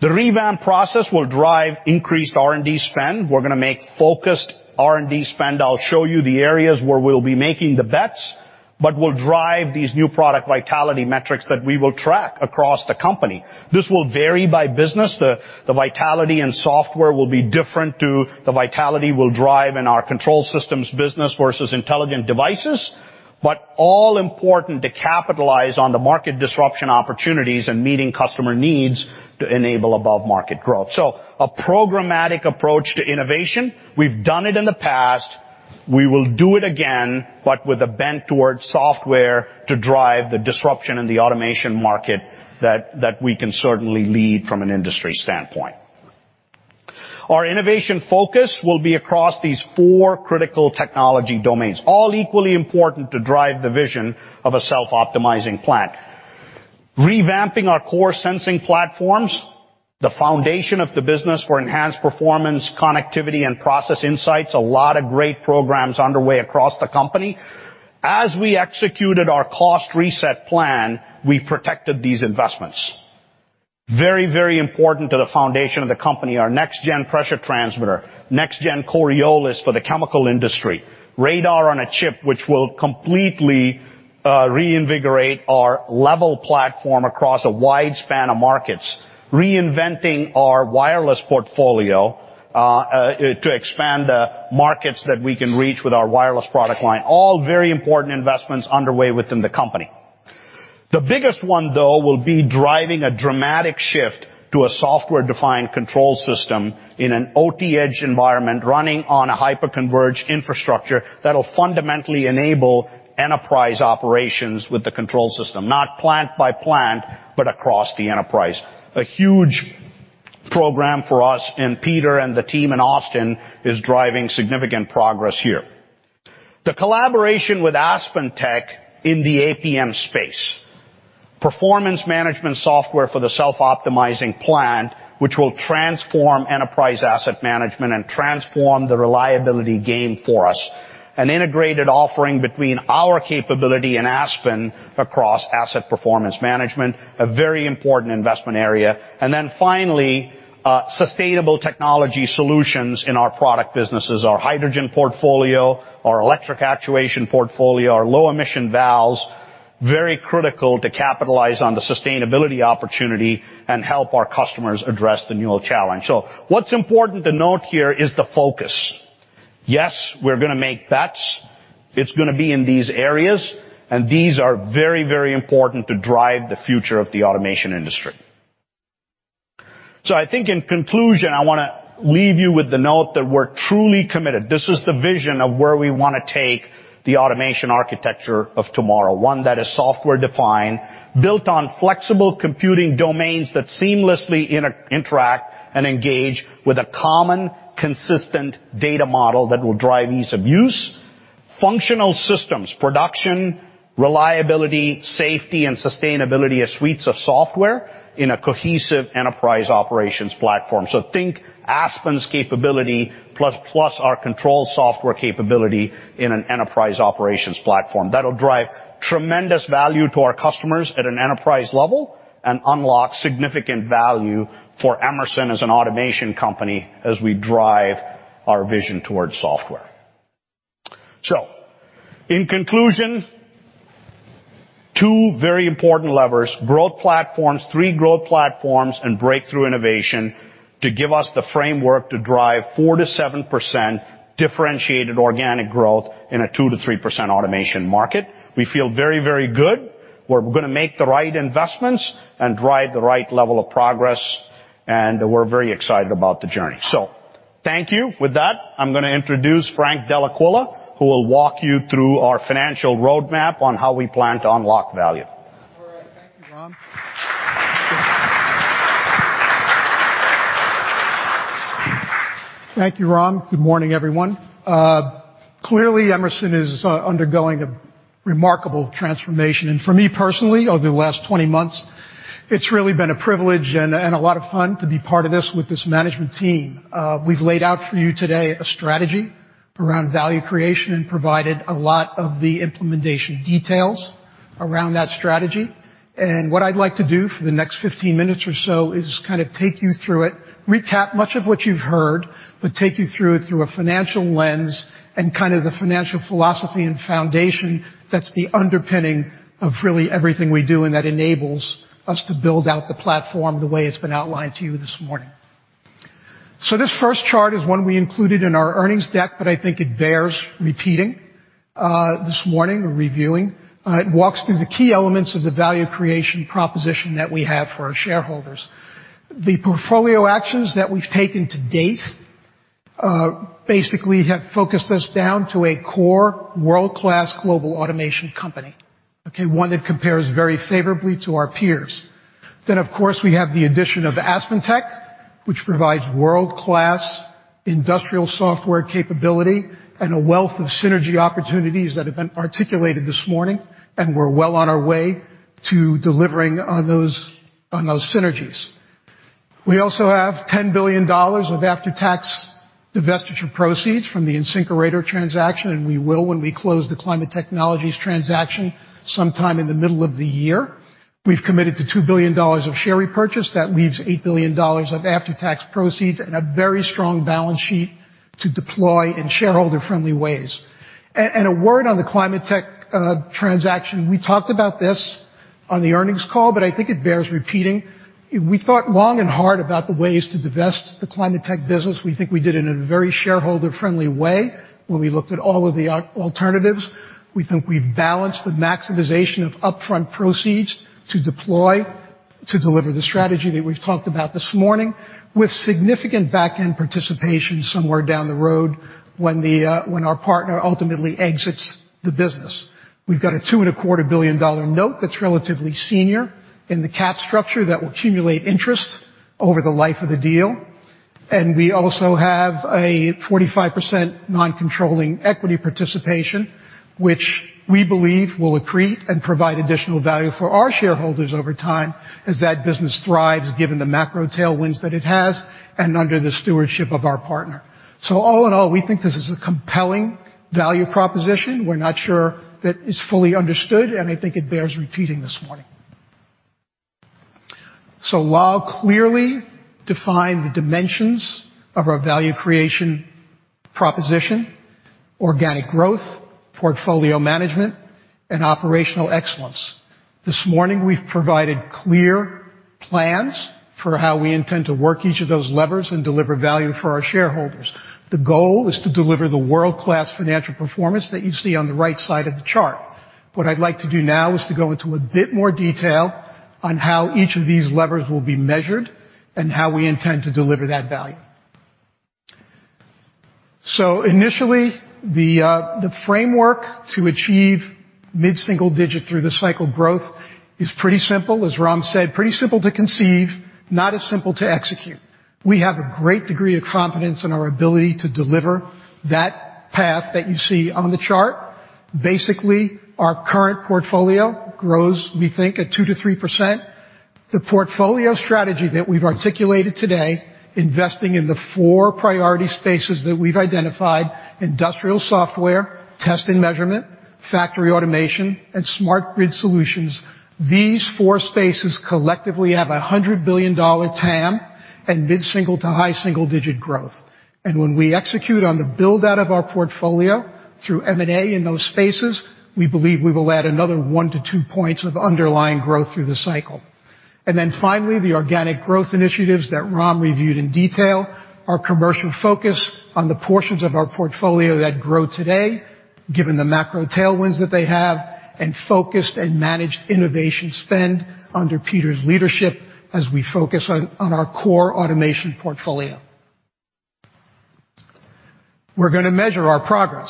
The revamp process will drive increased R&D spend. We're gonna make focused R&D spend. I'll show you the areas where we'll be making the bets, but we'll drive these new product vitality metrics that we will track across the company. This will vary by business. The vitality and software will be different to the vitality we'll drive in our control systems business versus intelligent devices, but all important to capitalize on the market disruption opportunities and meeting customer needs to enable above-market growth. A programmatic approach to innovation. We've done it in the past. We will do it again, but with a bent towards software to drive the disruption in the automation market that we can certainly lead from an industry standpoint. Our innovation focus will be across these four critical technology domains, all equally important to drive the vision of a self-optimizing plant. Revamping our core sensing platforms, the foundation of the business for enhanced performance, connectivity, and process insights. A lot of great programs underway across the company. As we executed our cost reset plan, we protected these investments. Very important to the foundation of the company, our next-gen pressure transmitter, next-gen Coriolis for the chemical industry, radar-on-a-chip which will completely reinvigorate our level platform across a wide span of markets. Reinventing our wireless portfolio to expand the markets that we can reach with our wireless product line. All very important investments underway within the company. The biggest one, though, will be driving a dramatic shift to a software-defined control system in an OT edge environment running on a hyper-converged infrastructure that'll fundamentally enable Enterprise Operations with the control system, not plant by plant, but across the enterprise. A huge program for us. Peter and the team in Austin is driving significant progress here. The collaboration with AspenTech in the APM Space Performance management software for the self-optimizing plant, which will transform enterprise asset management and transform the reliability game for us. An integrated offering between our capability and Aspen across asset performance management, a very important investment area. Finally, sustainable technology solutions in our product businesses. Our hydrogen portfolio, our electric actuation portfolio, our low emission valves, very critical to capitalize on the sustainability opportunity and help our customers address the new challenge. What's important to note here is the focus. Yes, we're gonna make bets. It's gonna be in these areas, and these are very, very important to drive the future of the automation industry. I think in conclusion, I wanna leave you with the note that we're truly committed. This is the vision of where we wanna take the automation architecture of tomorrow. One that is software defined, built on flexible computing domains that seamlessly interact and engage with a common, consistent data model that will drive ease of use. Functional systems, production, reliability, safety and sustainability as suites of software in a cohesive Enterprise Operations Platform. Think Aspen's capability plus our control software capability in an Enterprise Operations Platform. That'll drive tremendous value to our customers at an enterprise level and unlock significant value for Emerson as an automation company as we drive our vision towards software. In conclusion, two very important levers, growth platforms, three growth platforms and breakthrough innovation to give us the framework to drive 4%-7% differentiated organic growth in a 2%-3% automation market. We feel very, very good. We're going to make the right investments and drive the right level of progress, and we're very excited about the journey. Thank you. With that, I'm going to introduce Frank Dell'Aquila, who will walk you through our financial roadmap on how we plan to unlock value. All right. Thank you, Ram. Thank you, Ram. Good morning, everyone. Clearly, Emerson is undergoing a remarkable transformation. For me personally, over the last 20 months, it's really been a privilege and a lot of fun to be part of this with this management team. We've laid out for you today a strategy around value creation and provided a lot of the implementation details around that strategy. What I'd like to do for the next 15 minutes or so is kind of take you through it, recap much of what you've heard, but take you through it through a financial lens and kind of the financial philosophy and foundation that's the underpinning of really everything we do and that enables us to build out the platform the way it's been outlined to you this morning. This first chart is one we included in our earnings deck, but I think it bears repeating this morning, or reviewing. It walks through the key elements of the value creation proposition that we have for our shareholders. The portfolio actions that we've taken to date, basically have focused us down to a core world-class global automation company, okay. One that compares very favorably to our peers. Of course, we have the addition of AspenTech, which provides world-class industrial software capability and a wealth of synergy opportunities that have been articulated this morning, and we're well on our way to delivering on those synergies. We also have $10 billion of after-tax divestiture proceeds from the InSinkErator transaction, and we will when we close the Climate Technologies transaction sometime in the middle of the year. We've committed to $2 billion of share repurchase. That leaves $8 billion of after-tax proceeds and a very strong balance sheet to deploy in shareholder-friendly ways. A word on the ClimateTech transaction. We talked about this on the earnings call, but I think it bears repeating. We thought long and hard about the ways to divest the ClimateTech business. We think we did it in a very shareholder-friendly way when we looked at all of the alternatives. We think we've balanced the maximization of upfront proceeds to deploy, to deliver the strategy that we've talked about this morning, with significant back-end participation somewhere down the road when the when our partner ultimately exits the business. We've got a $2 and a quarter billion note that's relatively senior in the cap structure that will accumulate interest over the life of the deal. We also have a 45% non-controlling equity participation, which we believe will accrete and provide additional value for our shareholders over time as that business thrives, given the macro tailwinds that it has and under the stewardship of our partner. All in all, we think this is a compelling value proposition. We're not sure that it's fully understood, and I think it bears repeating this morning. Lal clearly defined the dimensions of our value creation proposition: organic growth, portfolio management, and operational excellence. This morning, we've provided clear plans for how we intend to work each of those levers and deliver value for our shareholders. The goal is to deliver the world-class financial performance that you see on the right side of the chart. What I'd like to do now is to go into a bit more detail on how each of these levers will be measured and how we intend to deliver that value. Initially, the framework to achieve mid-single digit through the cycle growth is pretty simple. As Ram said, pretty simple to conceive, not as simple to execute. We have a great degree of confidence in our ability to deliver that path that you see on the chart. Basically, our current portfolio grows, we think at 2%-3%. The portfolio strategy that we've articulated today, investing in the four priority spaces that we've identified, industrial software, test and measurement, factory automation, and smart grid solutions. These four spaces collectively have a $100 billion TAM and mid-single to high single-digit growth. When we execute on the build-out of our portfolio through M&A in those spaces, we believe we will add another 1-2 points of underlying growth through the cycle. Finally, the organic growth initiatives that Ram reviewed in detail, our commercial focus on the portions of our portfolio that grow today, given the macro tailwinds that they have, and focused and managed innovation spend under Peter's leadership as we focus on our core automation portfolio. We're gonna measure our progress.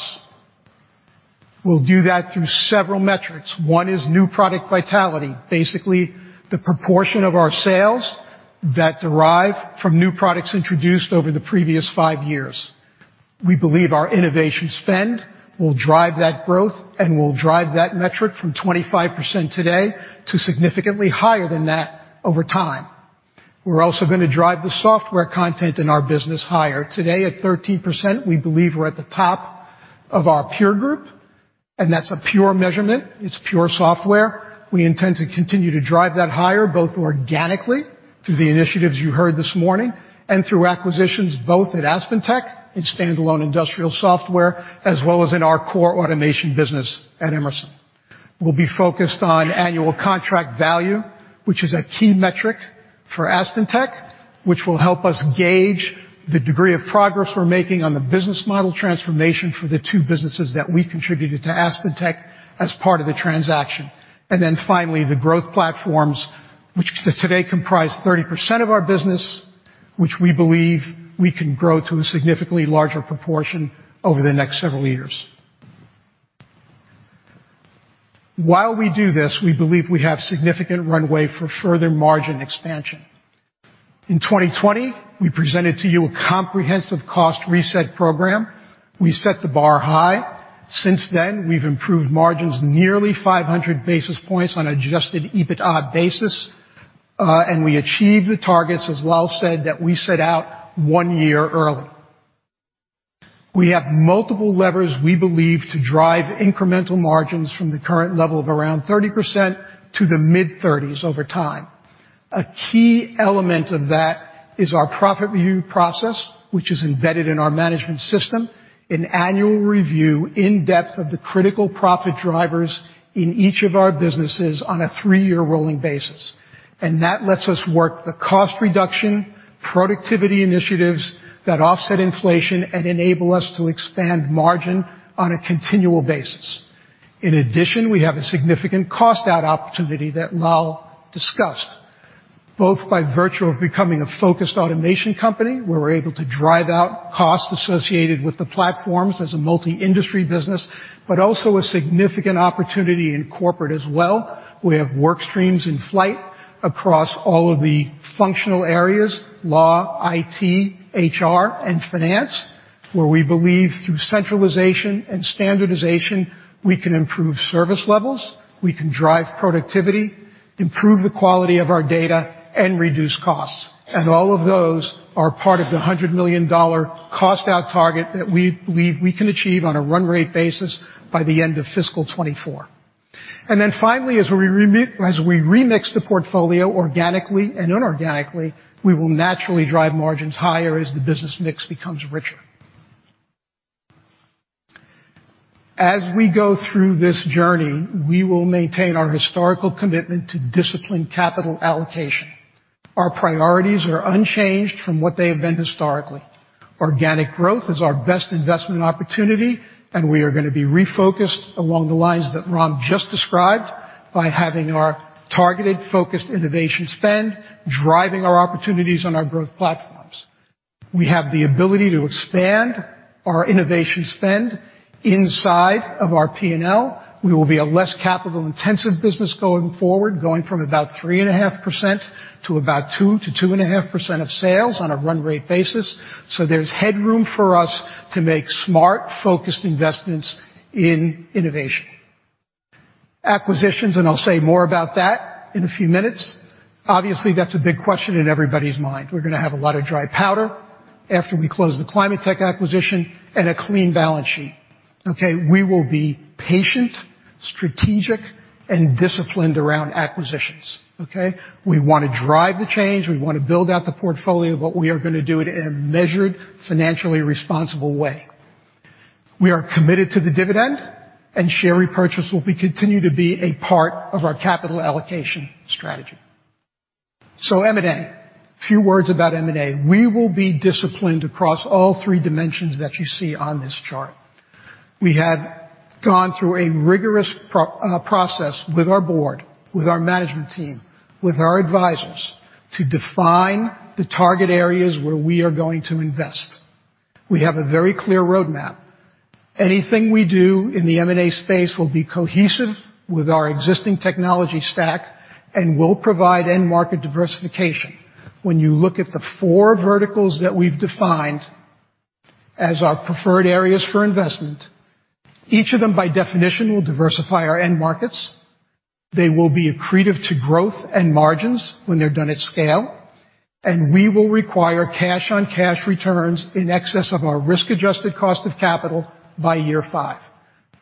We'll do that through several metrics. One is new product vitality. Basically, the proportion of our sales that derive from new products introduced over the previous 5 years. We believe our innovation spend will drive that growth and will drive that metric from 25% today to significantly higher than that over time. We're also gonna drive the software content in our business higher. Today, at 13%, we believe we're at the top of our peer group, and that's a pure measurement. It's pure software. We intend to continue to drive that higher, both organically through the initiatives you heard this morning and through acquisitions, both at AspenTech and standalone industrial software, as well as in our core automation business at Emerson. We'll be focused on annual contract value, which is a key metric for AspenTech, which will help us gauge the degree of progress we're making on the business model transformation for the two businesses that we contributed to AspenTech as part of the transaction. Finally, the growth platforms, which today comprise 30% of our business, which we believe we can grow to a significantly larger proportion over the next several years. While we do this, we believe we have significant runway for further margin expansion. In 2020, we presented to you a comprehensive cost reset program. We set the bar high. Since then, we've improved margins nearly 500 basis points on adjusted EBITDA basis, and we achieved the targets, as Lal said, that we set out one year early. We have multiple levers we believe to drive incremental margins from the current level of around 30% to the mid-30s over time. A key element of that is our profit review process, which is embedded in our management system. An annual review in depth of the critical profit drivers in each of our businesses on a 3-year rolling basis. And that lets us work the cost reduction, productivity initiatives that offset inflation and enable us to expand margin on a continual basis. We have a significant cost out opportunity that Lal discussed, both by virtue of becoming a focused automation company, where we're able to drive out costs associated with the platforms as a multi-industry business, but also a significant opportunity in corporate as well. We have work streams in flight across all of the functional areas, law, IT, HR, and finance, where we believe through centralization and standardization, we can improve service levels, we can drive productivity, improve the quality of our data, and reduce costs. All of those are part of the $100 million cost out target that we believe we can achieve on a run rate basis by the end of fiscal 2024. Finally, as we remix the portfolio organically and inorganically, we will naturally drive margins higher as the business mix becomes richer. As we go through this journey, we will maintain our historical commitment to disciplined capital allocation. Our priorities are unchanged from what they have been historically. Organic growth is our best investment opportunity. We are gonna be refocused along the lines that Ram just described by having our targeted focused innovation spend, driving our opportunities on our growth platforms. We have the ability to expand our innovation spend inside of our P&L. We will be a less capital-intensive business going forward, going from about 3.5% to about 2%-2.5% of sales on a run rate basis. There's headroom for us to make smart, focused investments in innovation. Acquisitions. I'll say more about that in a few minutes. Obviously, that's a big question in everybody's mind. We're gonna have a lot of dry powder after we close the Climate Tech acquisition and a clean balance sheet. Okay. We will be patient, strategic, and disciplined around acquisitions. Okay? We wanna drive the change. We wanna build out the portfolio, but we are gonna do it in a measured, financially responsible way. We are committed to the dividend, and share repurchase will continue to be a part of our capital allocation strategy. M&A. A few words about M&A. We will be disciplined across all three dimensions that you see on this chart. We have gone through a rigorous process with our board, with our management team, with our advisors to define the target areas where we are going to invest. We have a very clear roadmap. Anything we do in the M&A space will be cohesive with our existing technology stack and will provide end market diversification. When you look at the four verticals that we've defined as our preferred areas for investment, each of them, by definition, will diversify our end markets. They will be accretive to growth and margins when they're done at scale, we will require cash-on-cash returns in excess of our risk-adjusted cost of capital by year five.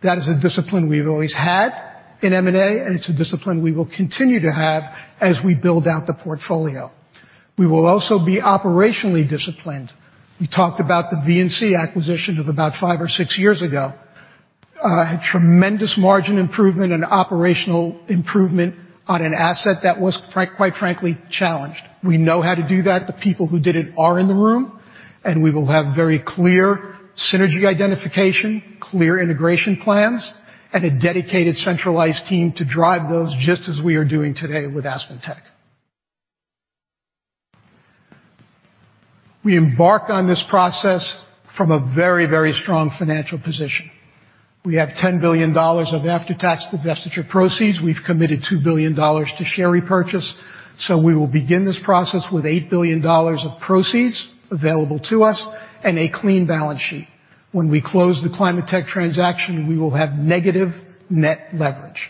That is a discipline we've always had in M&A, it's a discipline we will continue to have as we build out the portfolio. We will also be operationally disciplined. We talked about the VNC acquisition of about five or six years ago. Had tremendous margin improvement and operational improvement on an asset that was quite frankly, challenged. We know how to do that. The people who did it are in the room, and we will have very clear synergy identification, clear integration plans, and a dedicated centralized team to drive those just as we are doing today with AspenTech. We embark on this process from a very, very strong financial position. We have $10 billion of after-tax divestiture proceeds. We've committed $2 billion to share repurchase. We will begin this process with $8 billion of proceeds available to us and a clean balance sheet. When we close the Climate Tech transaction, we will have negative net leverage.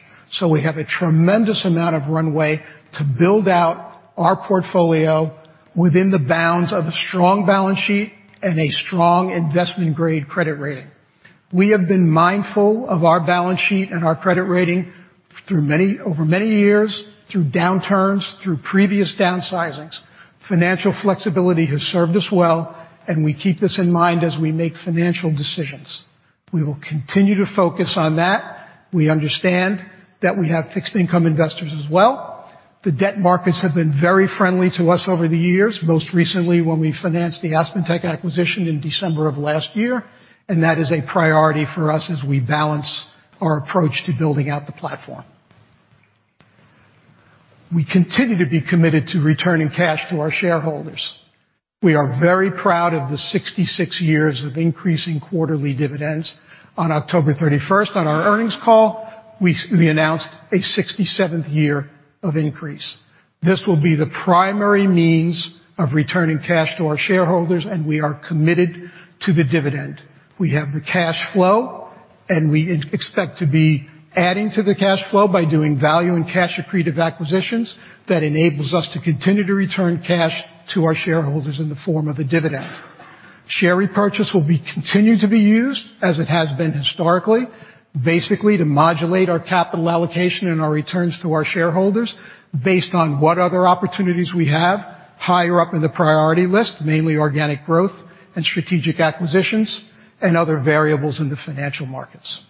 We have a tremendous amount of runway to build out our portfolio within the bounds of a strong balance sheet and a strong investment-grade credit rating. We have been mindful of our balance sheet and our credit rating through over many years, through downturns, through previous downsizings. Financial flexibility has served us well. We keep this in mind as we make financial decisions. We will continue to focus on that. We understand that we have fixed income investors as well. The debt markets have been very friendly to us over the years, most recently when we financed the AspenTech acquisition in December of last year. That is a priority for us as we balance our approach to building out the platform. We continue to be committed to returning cash to our shareholders. We are very proud of the 66 years of increasing quarterly dividends. On October 31st, on our earnings call, we announced a 67th year of increase. This will be the primary means of returning cash to our shareholders. We are committed to the dividend. We have the cash flow, and we expect to be adding to the cash flow by doing value and cash accretive acquisitions that enables us to continue to return cash to our shareholders in the form of a dividend. Share repurchase will be continued to be used as it has been historically, basically to modulate our capital allocation and our returns to our shareholders based on what other opportunities we have higher up in the priority list, mainly organic growth and strategic acquisitions and other variables in the financial markets.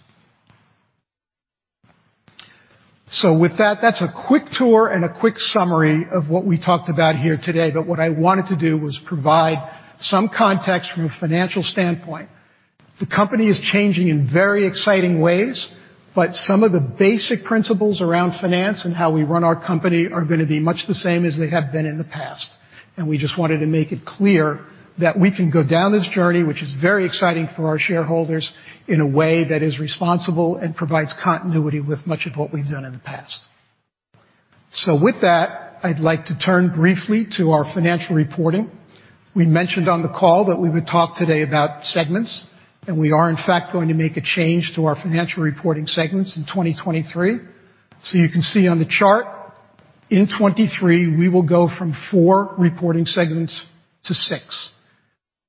With that's a quick tour and a quick summary of what we talked about here today. What I wanted to do was provide some context from a financial standpoint. The company is changing in very exciting ways, some of the basic principles around finance and how we run our company are gonna be much the same as they have been in the past. We just wanted to make it clear that we can go down this journey, which is very exciting for our shareholders, in a way that is responsible and provides continuity with much of what we've done in the past. With that, I'd like to turn briefly to our financial reporting. We mentioned on the call that we would talk today about segments, and we are in fact going to make a change to our financial reporting segments in 2023. You can see on the chart, in 2023, we will go from four reporting segments to six.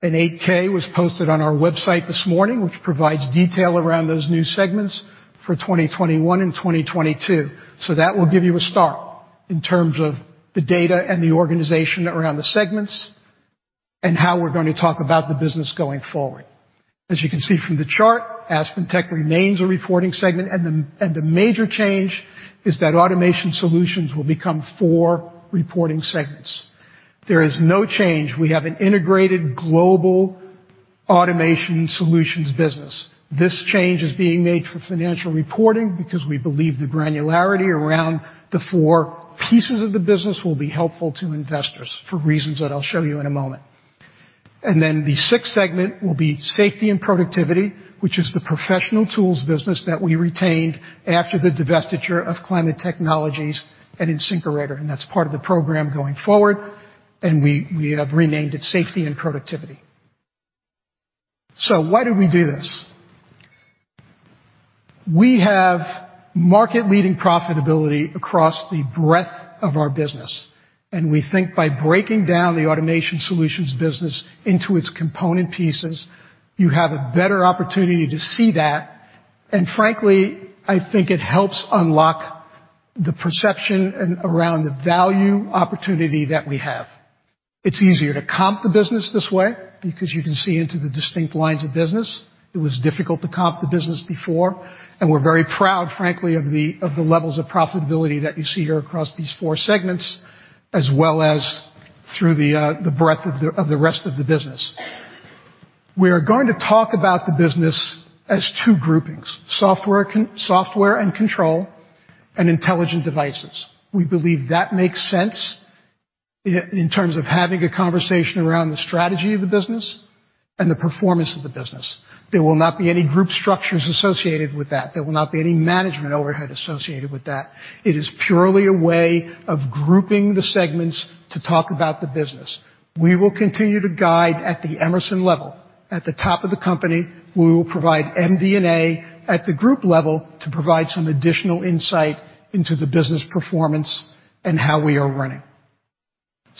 An 8-K was posted on our website this morning, which provides detail around those new segments for 2021 and 2022. That will give you a start in terms of the data and the organization around the segments and how we're gonna talk about the business going forward. As you can see from the chart, AspenTech remains a reporting segment, and the major change is that automation solutions will become four reporting segments. There is no change. We have an integrated global automation solutions business. This change is being made for financial reporting because we believe the granularity around the four pieces of the business will be helpful to investors for reasons that I'll show you in a moment. The sixth segment will be Safety and Productivity, which is the professional tools business that we retained after the divestiture of Climate Technologies and InSinkErator, and that's part of the program going forward, and we have renamed it Safety and Productivity. Why do we do this? We have market-leading profitability across the breadth of our business, and we think by breaking down the Automation Solutions business into its component pieces, you have a better opportunity to see that. I think it helps unlock the perception and around the value opportunity that we have. It's easier to comp the business this way because you can see into the distinct lines of business. It was difficult to comp the business before, and we're very proud, frankly, of the levels of profitability that you see here across these four segments, as well as through the breadth of the rest of the business. We are going to talk about the business as two groupings: software and control and intelligent devices. We believe that makes sense in terms of having a conversation around the strategy of the business and the performance of the business. There will not be any group structures associated with that. There will not be any management overhead associated with that. It is purely a way of grouping the segments to talk about the business. We will continue to guide at the Emerson level. At the top of the company, we will provide MD&A at the group level to provide some additional insight into the business performance and how we are running.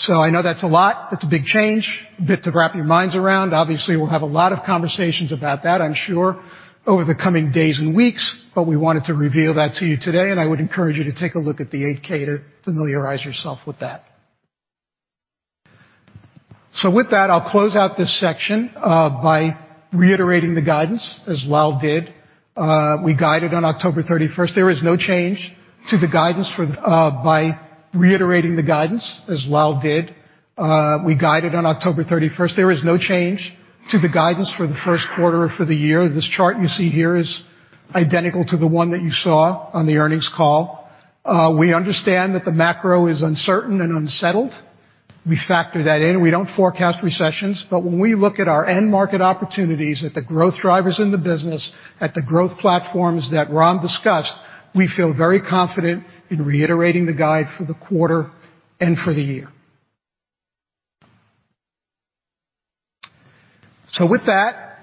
I know that's a lot. That's a big change, a bit to wrap your minds around. Obviously, we'll have a lot of conversations about that, I'm sure, over the coming days and weeks, but we wanted to reveal that to you today, and I would encourage you to take a look at the 8-K to familiarize yourself with that. With that, I'll close out this section by reiterating the guidance as Lal did. We guided on October 31st. There is no change to the guidance for the Q1 or for the year. This chart you see here is identical to the one that you saw on the earnings call. We understand that the macro is uncertain and unsettled. We factor that in. We don't forecast recessions, but when we look at our end market opportunities, at the growth drivers in the business, at the growth platforms that Ram discussed, we feel very confident in reiterating the guide for the quarter and for the year. With that,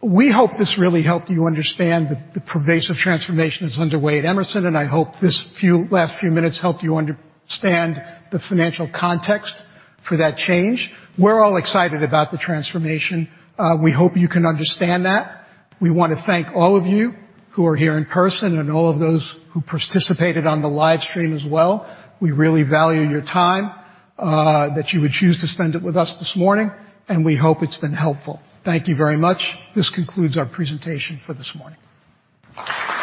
we hope this really helped you understand the pervasive transformation that's underway at Emerson, I hope last few minutes helped you understand the financial context for that change. We're all excited about the transformation. We hope you can understand that. We want to thank all of you who are here in person and all of those who participated on the live stream as well. We really value your time, that you would choose to spend it with us this morning. We hope it's been helpful. Thank you very much. This concludes our presentation for this morning.